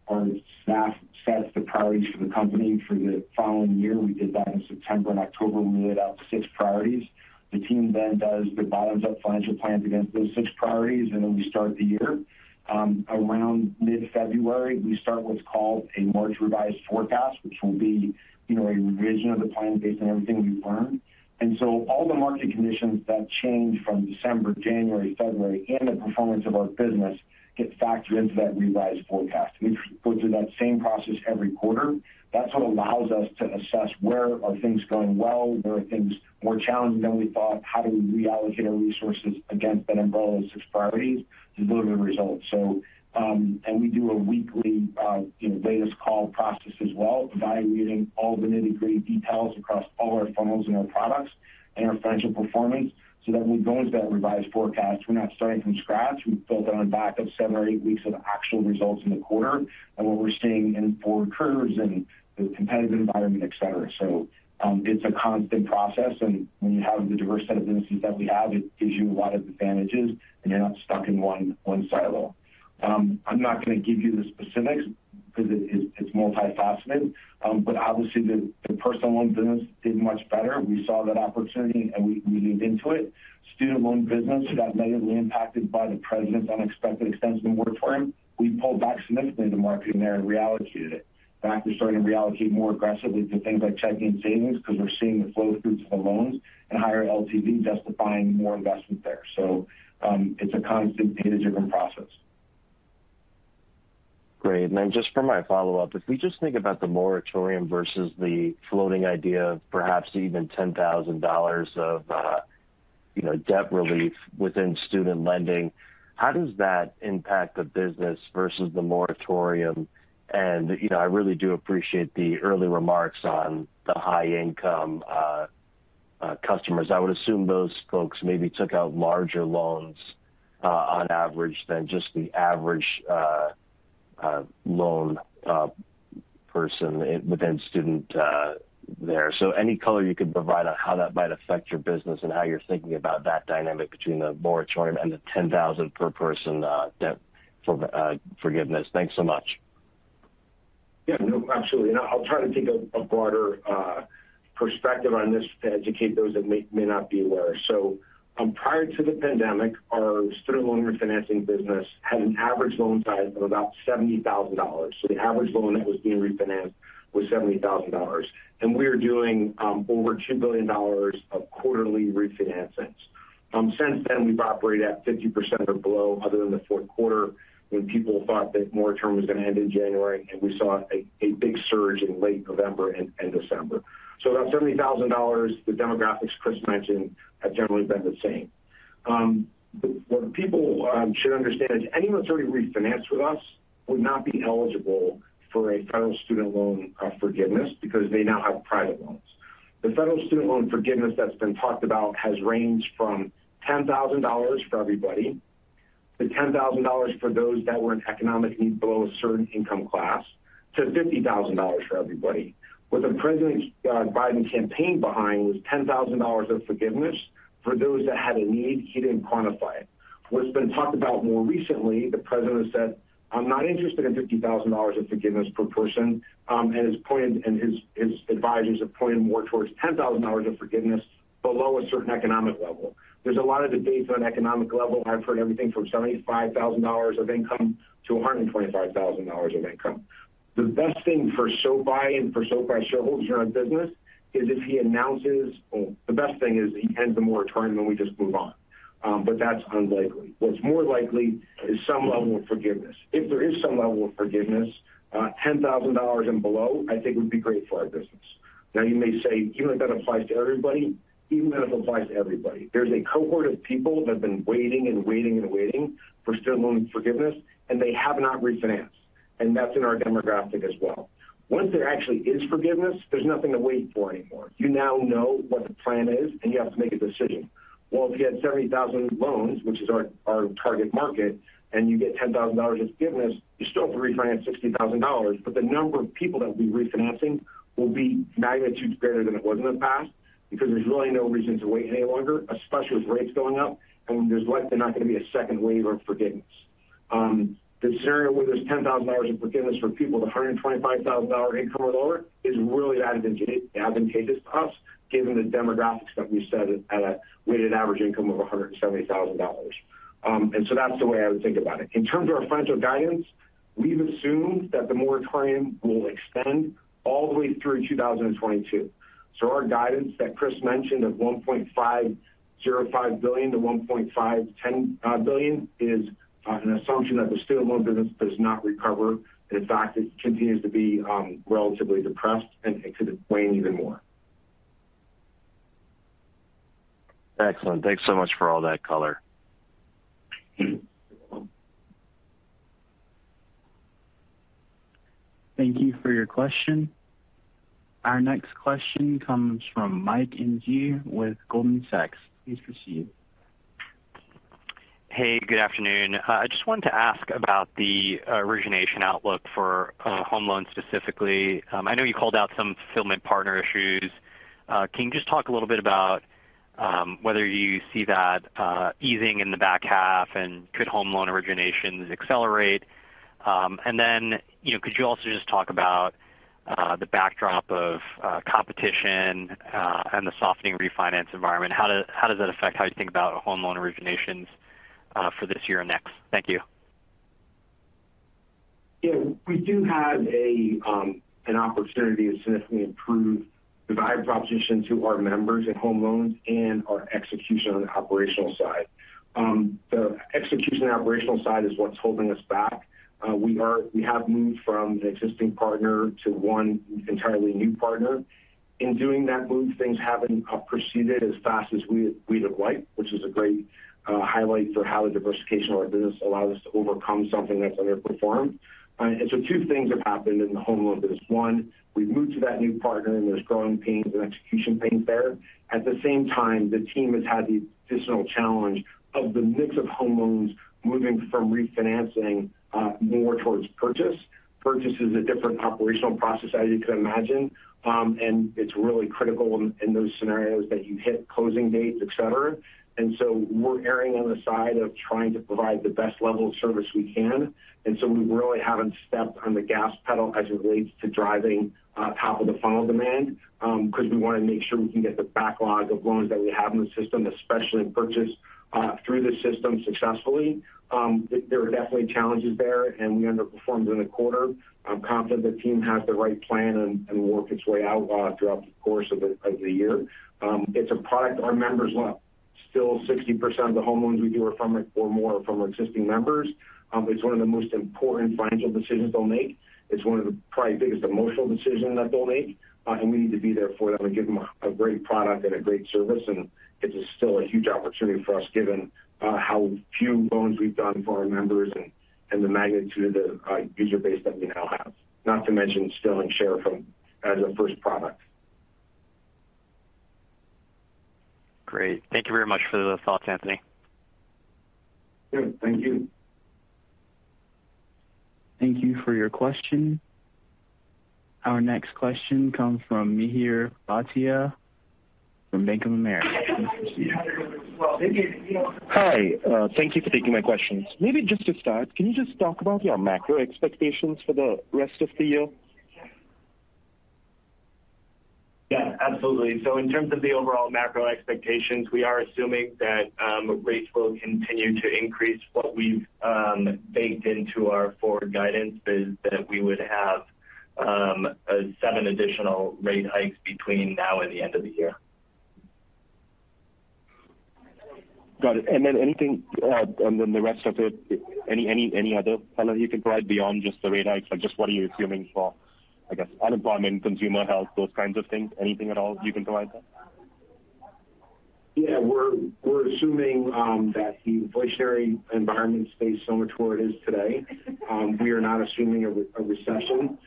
Our staff sets the priorities for the company for the following year. We did that in September and October. We laid out six priorities. The team then does the bottoms-up financial plans against those six priorities, and then we start the year. Around mid-February, we start what's called a March revised forecast, which will be, you know, a revision of the plan based on everything we've learned. All the market conditions that change from December, January, February and the performance of our business get factored into that revised forecast. We go through that same process every quarter. That's what allows us to assess where are things going well, where are things more challenging than we thought, how do we reallocate our resources against that umbrella of six priorities to deliver the results. We do a weekly, you know, status call process as well, evaluating all the nitty-gritty details across all our funnels and our products and our financial performance so that when we go into that revised forecast, we're not starting from scratch. We've built on the back of seven or eight weeks of actual results in the quarter and what we're seeing in forward curves and the competitive environment, et cetera. It's a constant process. When you have the diverse set of businesses that we have, it gives you a lot of advantages, and you're not stuck in one silo. I'm not going to give you the specifics because it's multifaceted. But obviously the personal loan business did much better. We saw that opportunity, and we leaned into it. Student loan business got negatively impacted by the president's unexpected extension of the moratorium. We pulled back significantly in the market in there and reallocated it. In fact, we're starting to reallocate more aggressively to things like checking and savings because we're seeing the flow through to the loans and higher LTV justifying more investment there. It's a constant data-driven process. Great. Then just for my follow-up, if we just think about the moratorium versus the floating idea of perhaps even $10,000 of, you know, debt relief within student lending, how does that impact the business versus the moratorium? You know, I really do appreciate the early remarks on the high income customers. I would assume those folks maybe took out larger loans on average than just the average loan person within student there. Any color you could provide on how that might affect your business and how you're thinking about that dynamic between the moratorium and the $10,000 per person debt forgiveness? Thanks so much. Yeah, no, absolutely. I'll try to take a broader perspective on this to educate those that may not be aware. Prior to the pandemic, our student loan refinancing business had an average loan size of about $70,000. The average loan that was being refinanced was $70,000. We are doing over $2 billion of quarterly refinancings. Since then we've operated at 50% or below other than the fourth quarter when people thought that moratorium was going to end in January, and we saw a big surge in late November and December. About $70,000. The demographics Chris mentioned have generally been the same. What people should understand is anyone that's already refinanced with us would not be eligible for a federal student loan forgiveness because they now have private loans. The federal student loan forgiveness that's been talked about has ranged from $10,000 for everybody to $10,000 for those that were in economic need below a certain income class to $50,000 for everybody. What the President Biden campaigned behind was $10,000 of forgiveness for those that had a need. He didn't quantify it. What's been talked about more recently, the President has said, "I'm not interested in $50,000 of forgiveness per person." And has pointed, and his advisors have pointed more towards $10,000 of forgiveness below a certain economic level. There's a lot of debates on economic level. I've heard everything from $75,000 of income to $125,000 of income. The best thing for SoFi and for SoFi shareholders and our business is if he announces, or the best thing is he ends the moratorium, and we just move on. But that's unlikely. What's more likely is some level of forgiveness. If there is some level of forgiveness, $10,000 and below, I think would be great for our business. Now, you may say, even if that applies to everybody? Even if it applies to everybody. There's a cohort of people that have been waiting and waiting and waiting for student loan forgiveness, and they have not refinanced. That's in our demographic as well. Once there actually is forgiveness, there's nothing to wait for anymore. You now know what the plan is, and you have to make a decision. Well, if you had 70,000 loans, which is our target market, and you get $10,000 of forgiveness, you still have to refinance $60,000. The number of people that will be refinancing will be magnitudes greater than it was in the past because there's really no reason to wait any longer, especially with rates going up. There's likely not going to be a second wave of forgiveness. The scenario where there's $10,000 of forgiveness for people with a $125,000 income or lower is really advantageous to us given the demographics that we said at a weighted average income of $170,000. That's the way I would think about it. In terms of our financial guidance, we've assumed that the moratorium will extend all the way through 2022. Our guidance that Chris mentioned of $1.505 billion-$1.510 billion is an assumption that the student loan business does not recover. In fact, it continues to be relatively depressed and it could wane even more. Excellent. Thanks so much for all that color. Thank you for your question. Our next question comes from Mike Ng with Goldman Sachs. Please proceed. Hey, good afternoon. I just wanted to ask about the origination outlook for home loans specifically. I know you called out some fulfillment partner issues. Can you just talk a little bit about whether you see that easing in the back half, and could home loan originations accelerate? Then, you know, could you also just talk about the backdrop of competition and the softening refinance environment? How does that affect how you think about home loan originations for this year and next? Thank you. Yeah. We do have an opportunity to significantly improve the value proposition to our members in home loans and our execution on the operational side. The execution and operational side is what's holding us back. We have moved from an existing partner to one entirely new partner. In doing that move, things haven't proceeded as fast as we'd have liked, which is a great highlight for how the diversification of our business allows us to overcome something that's underperformed. Two things have happened in the home loan business. One, we've moved to that new partner, and there's growing pains and execution pains there. At the same time, the team has had the additional challenge of the mix of home loans moving from refinancing more towards purchase. Purchase is a different operational process, as you can imagine. It's really critical in those scenarios that you hit closing dates, et cetera. We're erring on the side of trying to provide the best level of service we can. We really haven't stepped on the gas pedal as it relates to driving top of the funnel demand because we want to make sure we can get the backlog of loans that we have in the system, especially in purchase, through the system successfully. There are definitely challenges there, and we underperformed in the quarter. I'm confident the team has the right plan and work its way out throughout the course of the year. It's a product our members love. Still 60% of the home loans we do are from or more from existing members. It's one of the most important financial decisions they'll make. It's one of the probably biggest emotional decisions that they'll make. We need to be there for them and give them a great product and a great service. It is still a huge opportunity for us given how few loans we've done for our members and the magnitude of the user base that we now have. Not to mention stealing share from as a first product. Great. Thank you very much for the thoughts, Anthony. Sure. Thank you. Thank you for your question. Our next question comes from Mihir Bhatia from Bank of America. Hi. Thank you for taking my questions. Maybe just to start, can you just talk about your macro expectations for the rest of the year? Yeah, absolutely. In terms of the overall macro expectations, we are assuming that rates will continue to increase. What we've baked into our forward guidance is that we would have seven additional rate hikes between now and the end of the year. Got it. The rest of it, any other color you can provide beyond just the rate hikes? Like, just what are you assuming for, I guess, unemployment, consumer health, those kinds of things. Anything at all you can provide there? Yeah. We're assuming that the inflationary environment stays similar to where it is today. We are not assuming a recession.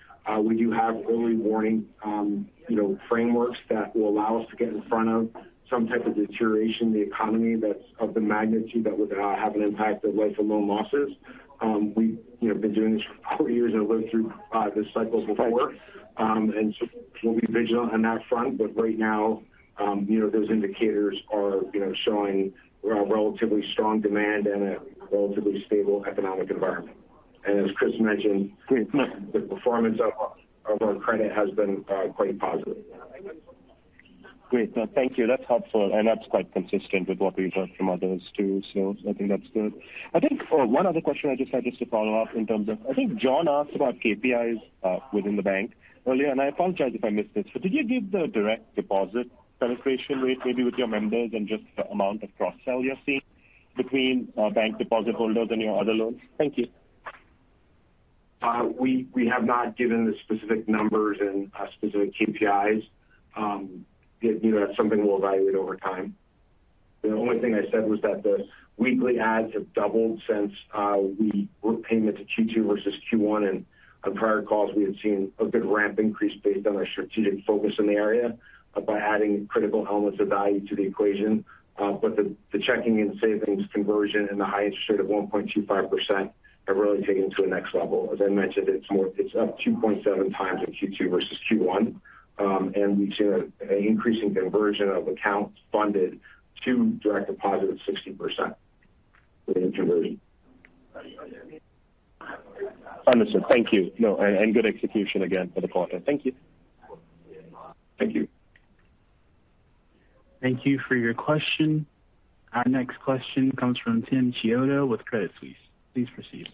We do have early warning, you know, frameworks that will allow us to get in front of some type of deterioration in the economy that's of the magnitude that would have an impact on loan losses. We, you know, have been doing this for four years and lived through this cycle before. We'll be vigilant on that front. But right now, you know, those indicators are, you know, showing a relatively strong demand and a relatively stable economic environment. As Chris mentioned, the performance of our credit has been quite positive. Great. No, thank you. That's helpful. That's quite consistent with what we've heard from others, too. I think that's good. I think, one other question I just had, just to follow up in terms of, I think John asked about KPIs, within the bank earlier, and I apologize if I missed this. Did you give the direct deposit penetration rate maybe with your members and just the amount of cross-sell you're seeing between, bank deposit holders and your other loans? Thank you. We have not given the specific numbers and specific KPIs. You know, that's something we'll evaluate over time. The only thing I said was that the weekly adds have doubled since loan payments in Q2 versus Q1. On prior calls we had seen a good ramp increase based on our strategic focus in the area by adding critical elements of value to the equation. But the Checking and Savings conversion and the high interest rate of 1.25% have really taken it to the next level. As I mentioned, it's up 2.7 times in Q2 versus Q1. We've seen an increasing conversion of accounts funded to direct deposit of 60% with interloaning. Understood. Thank you. No, and good execution again for the quarter. Thank you. Thank you. Thank you for your question. Our next question comes from Tim Chiodo with Credit Suisse. Please proceed.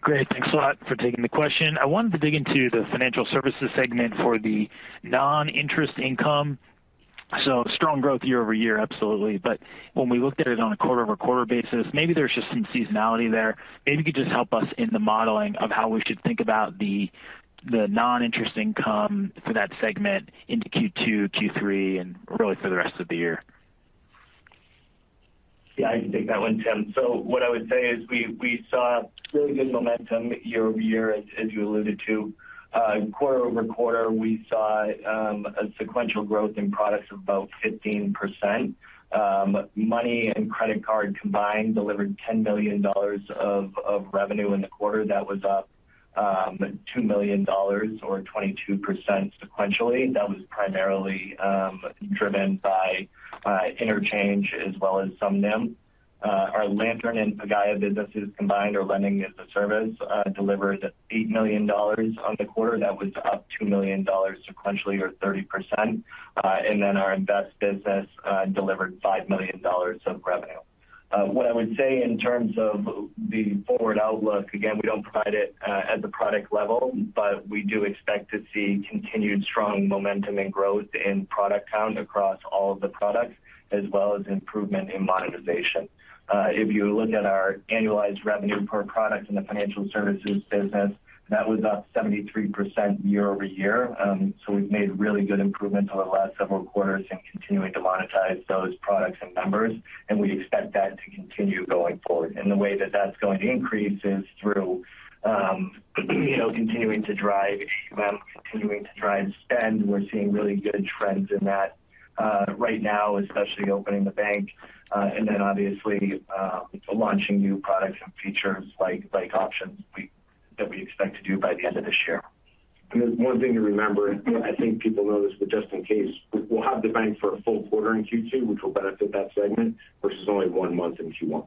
Great. Thanks a lot for taking the question. I wanted to dig into the Financial Services segment for the noninterest income. Strong growth year-over-year, absolutely. When we looked at it on a quarter-over-quarter basis, maybe there's just some seasonality there. Maybe you could just help us in the modeling of how we should think about the noninterest income for that segment into Q2, Q3, and really for the rest of the year? Yeah, I can take that one, Tim. What I would say is we saw really good momentum year-over-year, as you alluded to. Quarter-over-quarter, we saw a sequential growth in products of about 15%. Money and Credit Card combined delivered $10 million of revenue in the quarter. That was up $2 million or 22% sequentially. That was primarily driven by interchange as well as some NIM. Our Lantern and Pagaya businesses combined or Lending as a Service delivered $8 million on the quarter. That was up $2 million sequentially or 30%. Then our Invest business delivered $5 million of revenue. What I would say in terms of the forward outlook, again, we don't provide it at the product level, but we do expect to see continued strong momentum and growth in product count across all of the products as well as improvement in monetization. If you look at our annualized revenue per product in the financial services business, that was up 73% year over year. So we've made really good improvements over the last several quarters in continuing to monetize those products and members, and we expect that to continue going forward. The way that that's going to increase is through you know, continuing to drive spend. We're seeing really good trends in that right now, especially opening the bank. Obviously, launching new products and features like options that we expect to do by the end of this year. There's one thing to remember, and I think people know this, but just in case. We'll have the bank for a full quarter in Q2, which will benefit that segment versus only one month in Q1.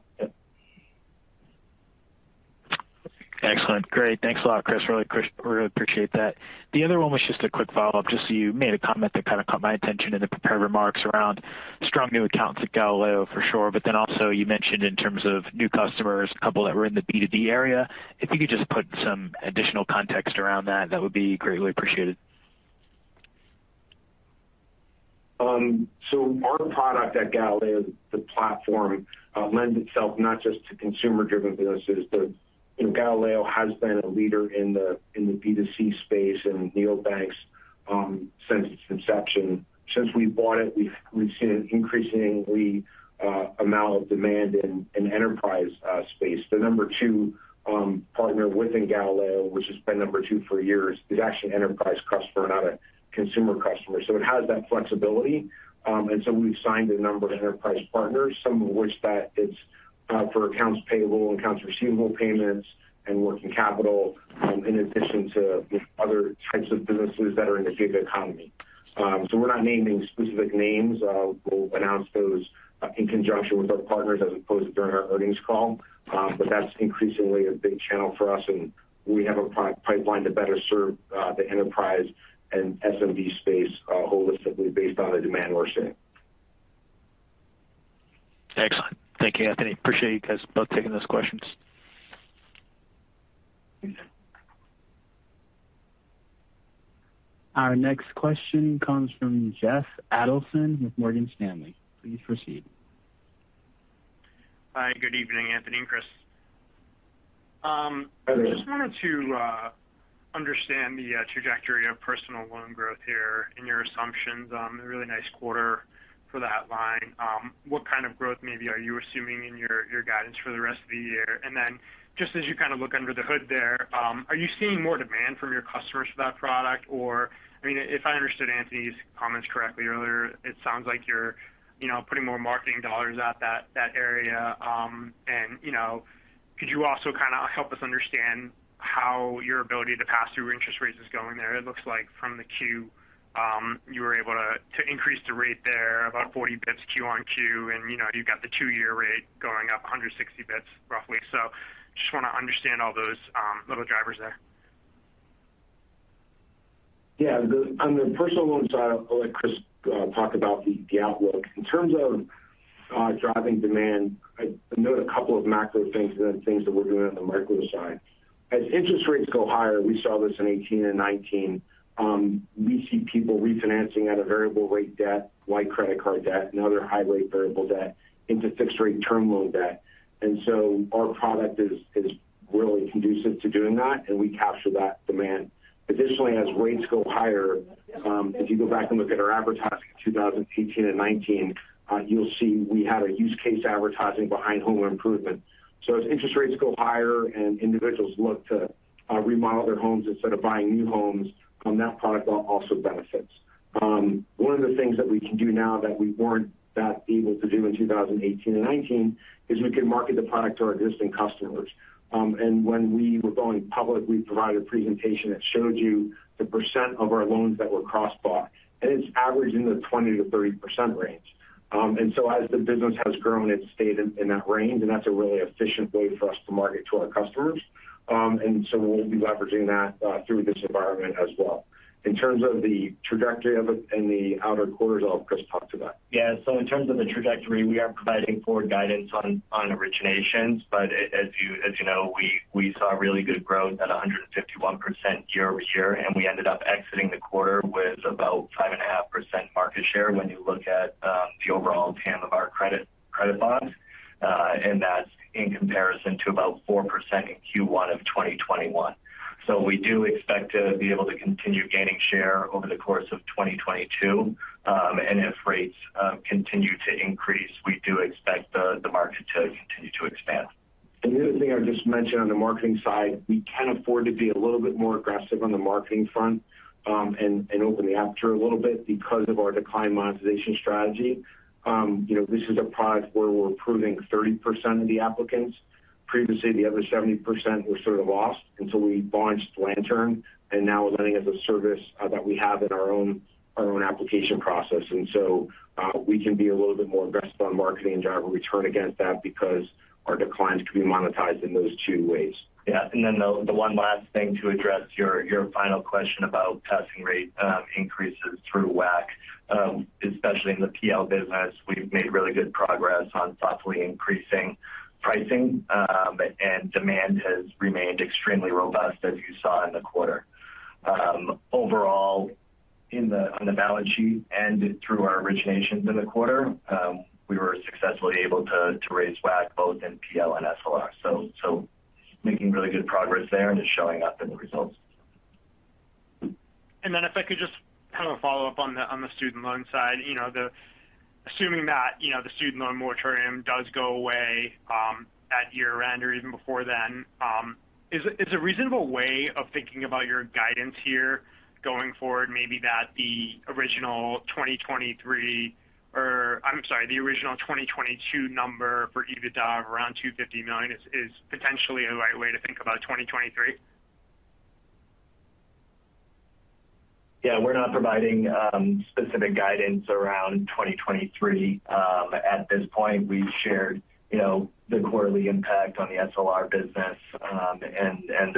Yeah. Excellent. Great. Thanks a lot, Chris. Really appreciate that. The other one was just a quick follow-up, just so you made a comment that kind of caught my attention in the prepared remarks around strong new accounts at Galileo for sure, but then also you mentioned in terms of new customers, a couple that were in the B2B area. If you could just put some additional context around that would be greatly appreciated? Our product at Galileo, the platform, lends itself not just to consumer-driven businesses, but Galileo has been a leader in the B2C space in neobanks since its inception. Since we bought it, we've seen an increasingly amount of demand in enterprise space. The number two partner within Galileo, which has been number two for years, is actually an enterprise customer, not a consumer customer. It has that flexibility. We've signed a number of enterprise partners, some of which that is for accounts payable and accounts receivable payments and working capital in addition to other types of businesses that are in the gig economy. We're not naming specific names. We'll announce those in conjunction with our partners as opposed to during our earnings call. That's increasingly a big channel for us, and we have a product pipeline to better serve the enterprise and SMB space holistically based on the demand we're seeing. Excellent. Thank you, Anthony. Appreciate you guys both taking those questions. Our next question comes from Jeff Adelson with Morgan Stanley. Please proceed. Hi. Good evening, Anthony and Chris. Good evening. I just wanted to understand the trajectory of personal loan growth here in your assumptions. A really nice quarter for that line. What kind of growth maybe are you assuming in your guidance for the rest of the year? Just as you kind of look under the hood there, are you seeing more demand from your customers for that product? Or, I mean, if I understood Anthony's comments correctly earlier, it sounds like you're, you know, putting more marketing dollars at that area. You know, could you also kind of help us understand how your ability to pass through interest rates is going there? It looks like from the queue, you were able to increase the rate there about 40 basis points Q-on-Q, and you know, you've got the two-year rate going up 160 basis points roughly. Just want to understand all those little drivers there? Yeah. On the personal loan side, I'll let Chris talk about the outlook. In terms of driving demand, I note a couple of macro things and then things that we're doing on the micro side. As interest rates go higher, we saw this in 18 and 19, we see people refinancing at a variable rate debt, like credit card debt and other high rate variable debt into fixed-rate term loan debt. Our product is really conducive to doing that, and we capture that demand. Additionally, as rates go higher, if you go back and look at our advertising in 2018 and 2019, you'll see we had a use case advertising behind home improvement. As interest rates go higher and individuals look to remodel their homes instead of buying new homes, that product also benefits. One of the things that we can do now that we weren't that able to do in 2018 and 2019 is we can market the product to our existing customers. When we were going public, we provided a presentation that showed you the percent of our loans that were cross-bought, and it's averaging the 20%-30% range. As the business has grown, it's stayed in that range, and that's a really efficient way for us to market to our customers. We'll be leveraging that through this environment as well. In terms of the trajectory of it and the other quarters, I'll have Chris talk to that. In terms of the trajectory, we are providing forward guidance on originations. As you know, we saw really good growth at 151% year-over-year, and we ended up exiting the quarter with about 5.5% market share when you look at the overall TAM of our credit box. And that's in comparison to about 4% in Q1 of 2021. We do expect to be able to continue gaining share over the course of 2022. And if rates continue to increase, we do expect the market to continue to expand. The other thing I'll just mention on the marketing side, we can afford to be a little bit more aggressive on the marketing front, and open the aperture a little bit because of our decline monetization strategy. You know, this is a product where we're approving 30% of the applicants. Previously, the other 70% were sort of lost until we launched Lantern, and now we're Lending as a Service that we have in our own application process. We can be a little bit more aggressive on marketing and drive a return against that because our declines can be monetized in those two ways. Yeah. One last thing to address your final question about passing rate increases through WAC. Especially in the PL business, we've made really good progress on thoughtfully increasing pricing, and demand has remained extremely robust as you saw in the quarter. Overall, on the balance sheet and through our originations in the quarter, we were successfully able to raise WAC both in PL and SLR. Making really good progress there and it's showing up in the results. If I could just kind of follow up on the student loan side. Assuming that the student loan moratorium does go away at year-end or even before then, is a reasonable way of thinking about your guidance here going forward maybe that the original 2022 number for EBITDA of around $250 million is potentially a right way to think about 2023? We're not providing specific guidance around 2023. At this point, we've shared, you know, the quarterly impact on the SLR business, and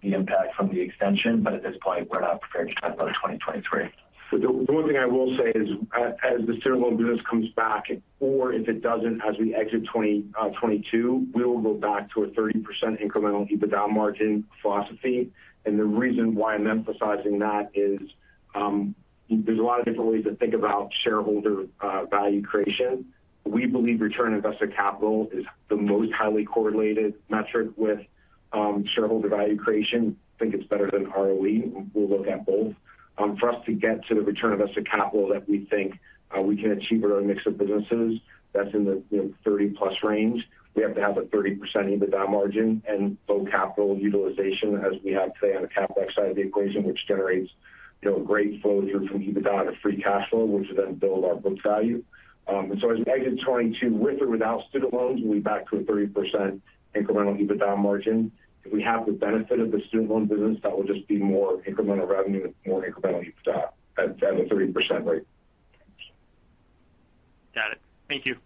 the impact from the extension. At this point, we're not prepared to talk about a 2023. The one thing I will say is as the student loan business comes back or if it doesn't as we exit 2022, we will go back to a 30% incremental EBITDA margin philosophy. The reason why I'm emphasizing that is, there's a lot of different ways to think about shareholder value creation. We believe return on investor capital is the most highly correlated metric with shareholder value creation. I think it's better than ROE. We'll look at both. For us to get to the return of investor capital that we think we can achieve with our mix of businesses that's in the, you know, 30+ range, we have to have a 30% EBITDA margin and low capital utilization as we have today on the CapEx side of the equation, which generates, you know, great flows through from EBITDA to free cash flow, which then build our book value. As we exit 2022, with or without student loans, we'll be back to a 30% incremental EBITDA margin. If we have the benefit of the student loan business, that will just be more incremental revenue and more incremental EBITDA at a 30% rate. Got it. Thank you.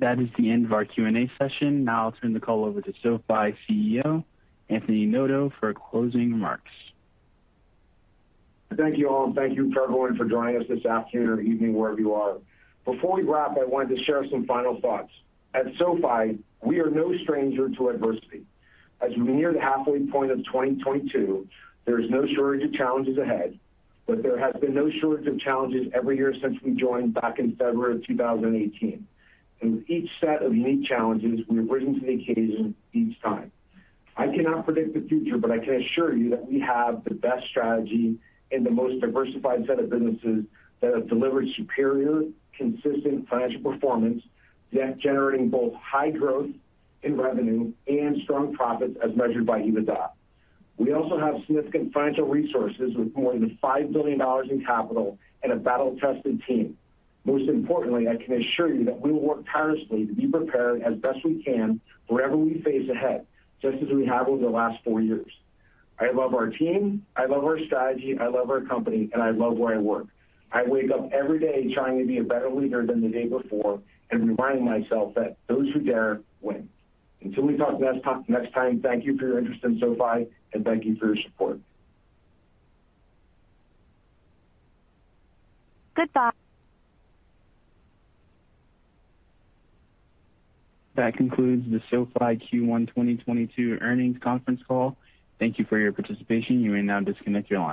That is the end of our Q&A session. Now I'll turn the call over to SoFi CEO, Anthony Noto, for closing remarks. Thank you all, and thank you to everyone for joining us this afternoon or evening, wherever you are. Before we wrap, I wanted to share some final thoughts. At SoFi, we are no stranger to adversity. As we near the halfway point of 2022, there is no shortage of challenges ahead. There has been no shortage of challenges every year since we joined back in February of 2018. With each set of unique challenges, we have risen to the occasion each time. I cannot predict the future, but I can assure you that we have the best strategy and the most diversified set of businesses that have delivered superior, consistent financial performance, yet generating both high growth in revenue and strong profits as measured by EBITDA. We also have significant financial resources with more than $5 billion in capital and a battle-tested team. Most importantly, I can assure you that we will work tirelessly to be prepared as best we can for whatever we face ahead, just as we have over the last four years. I love our team, I love our strategy, I love our company, and I love where I work. I wake up every day trying to be a better leader than the day before and remind myself that those who dare win. Until we talk next time, thank you for your interest in SoFi, and thank you for your support. Goodbye. That concludes the SoFi Q1 2022 Earnings Conference Call. Thank you for your participation. You may now disconnect your line.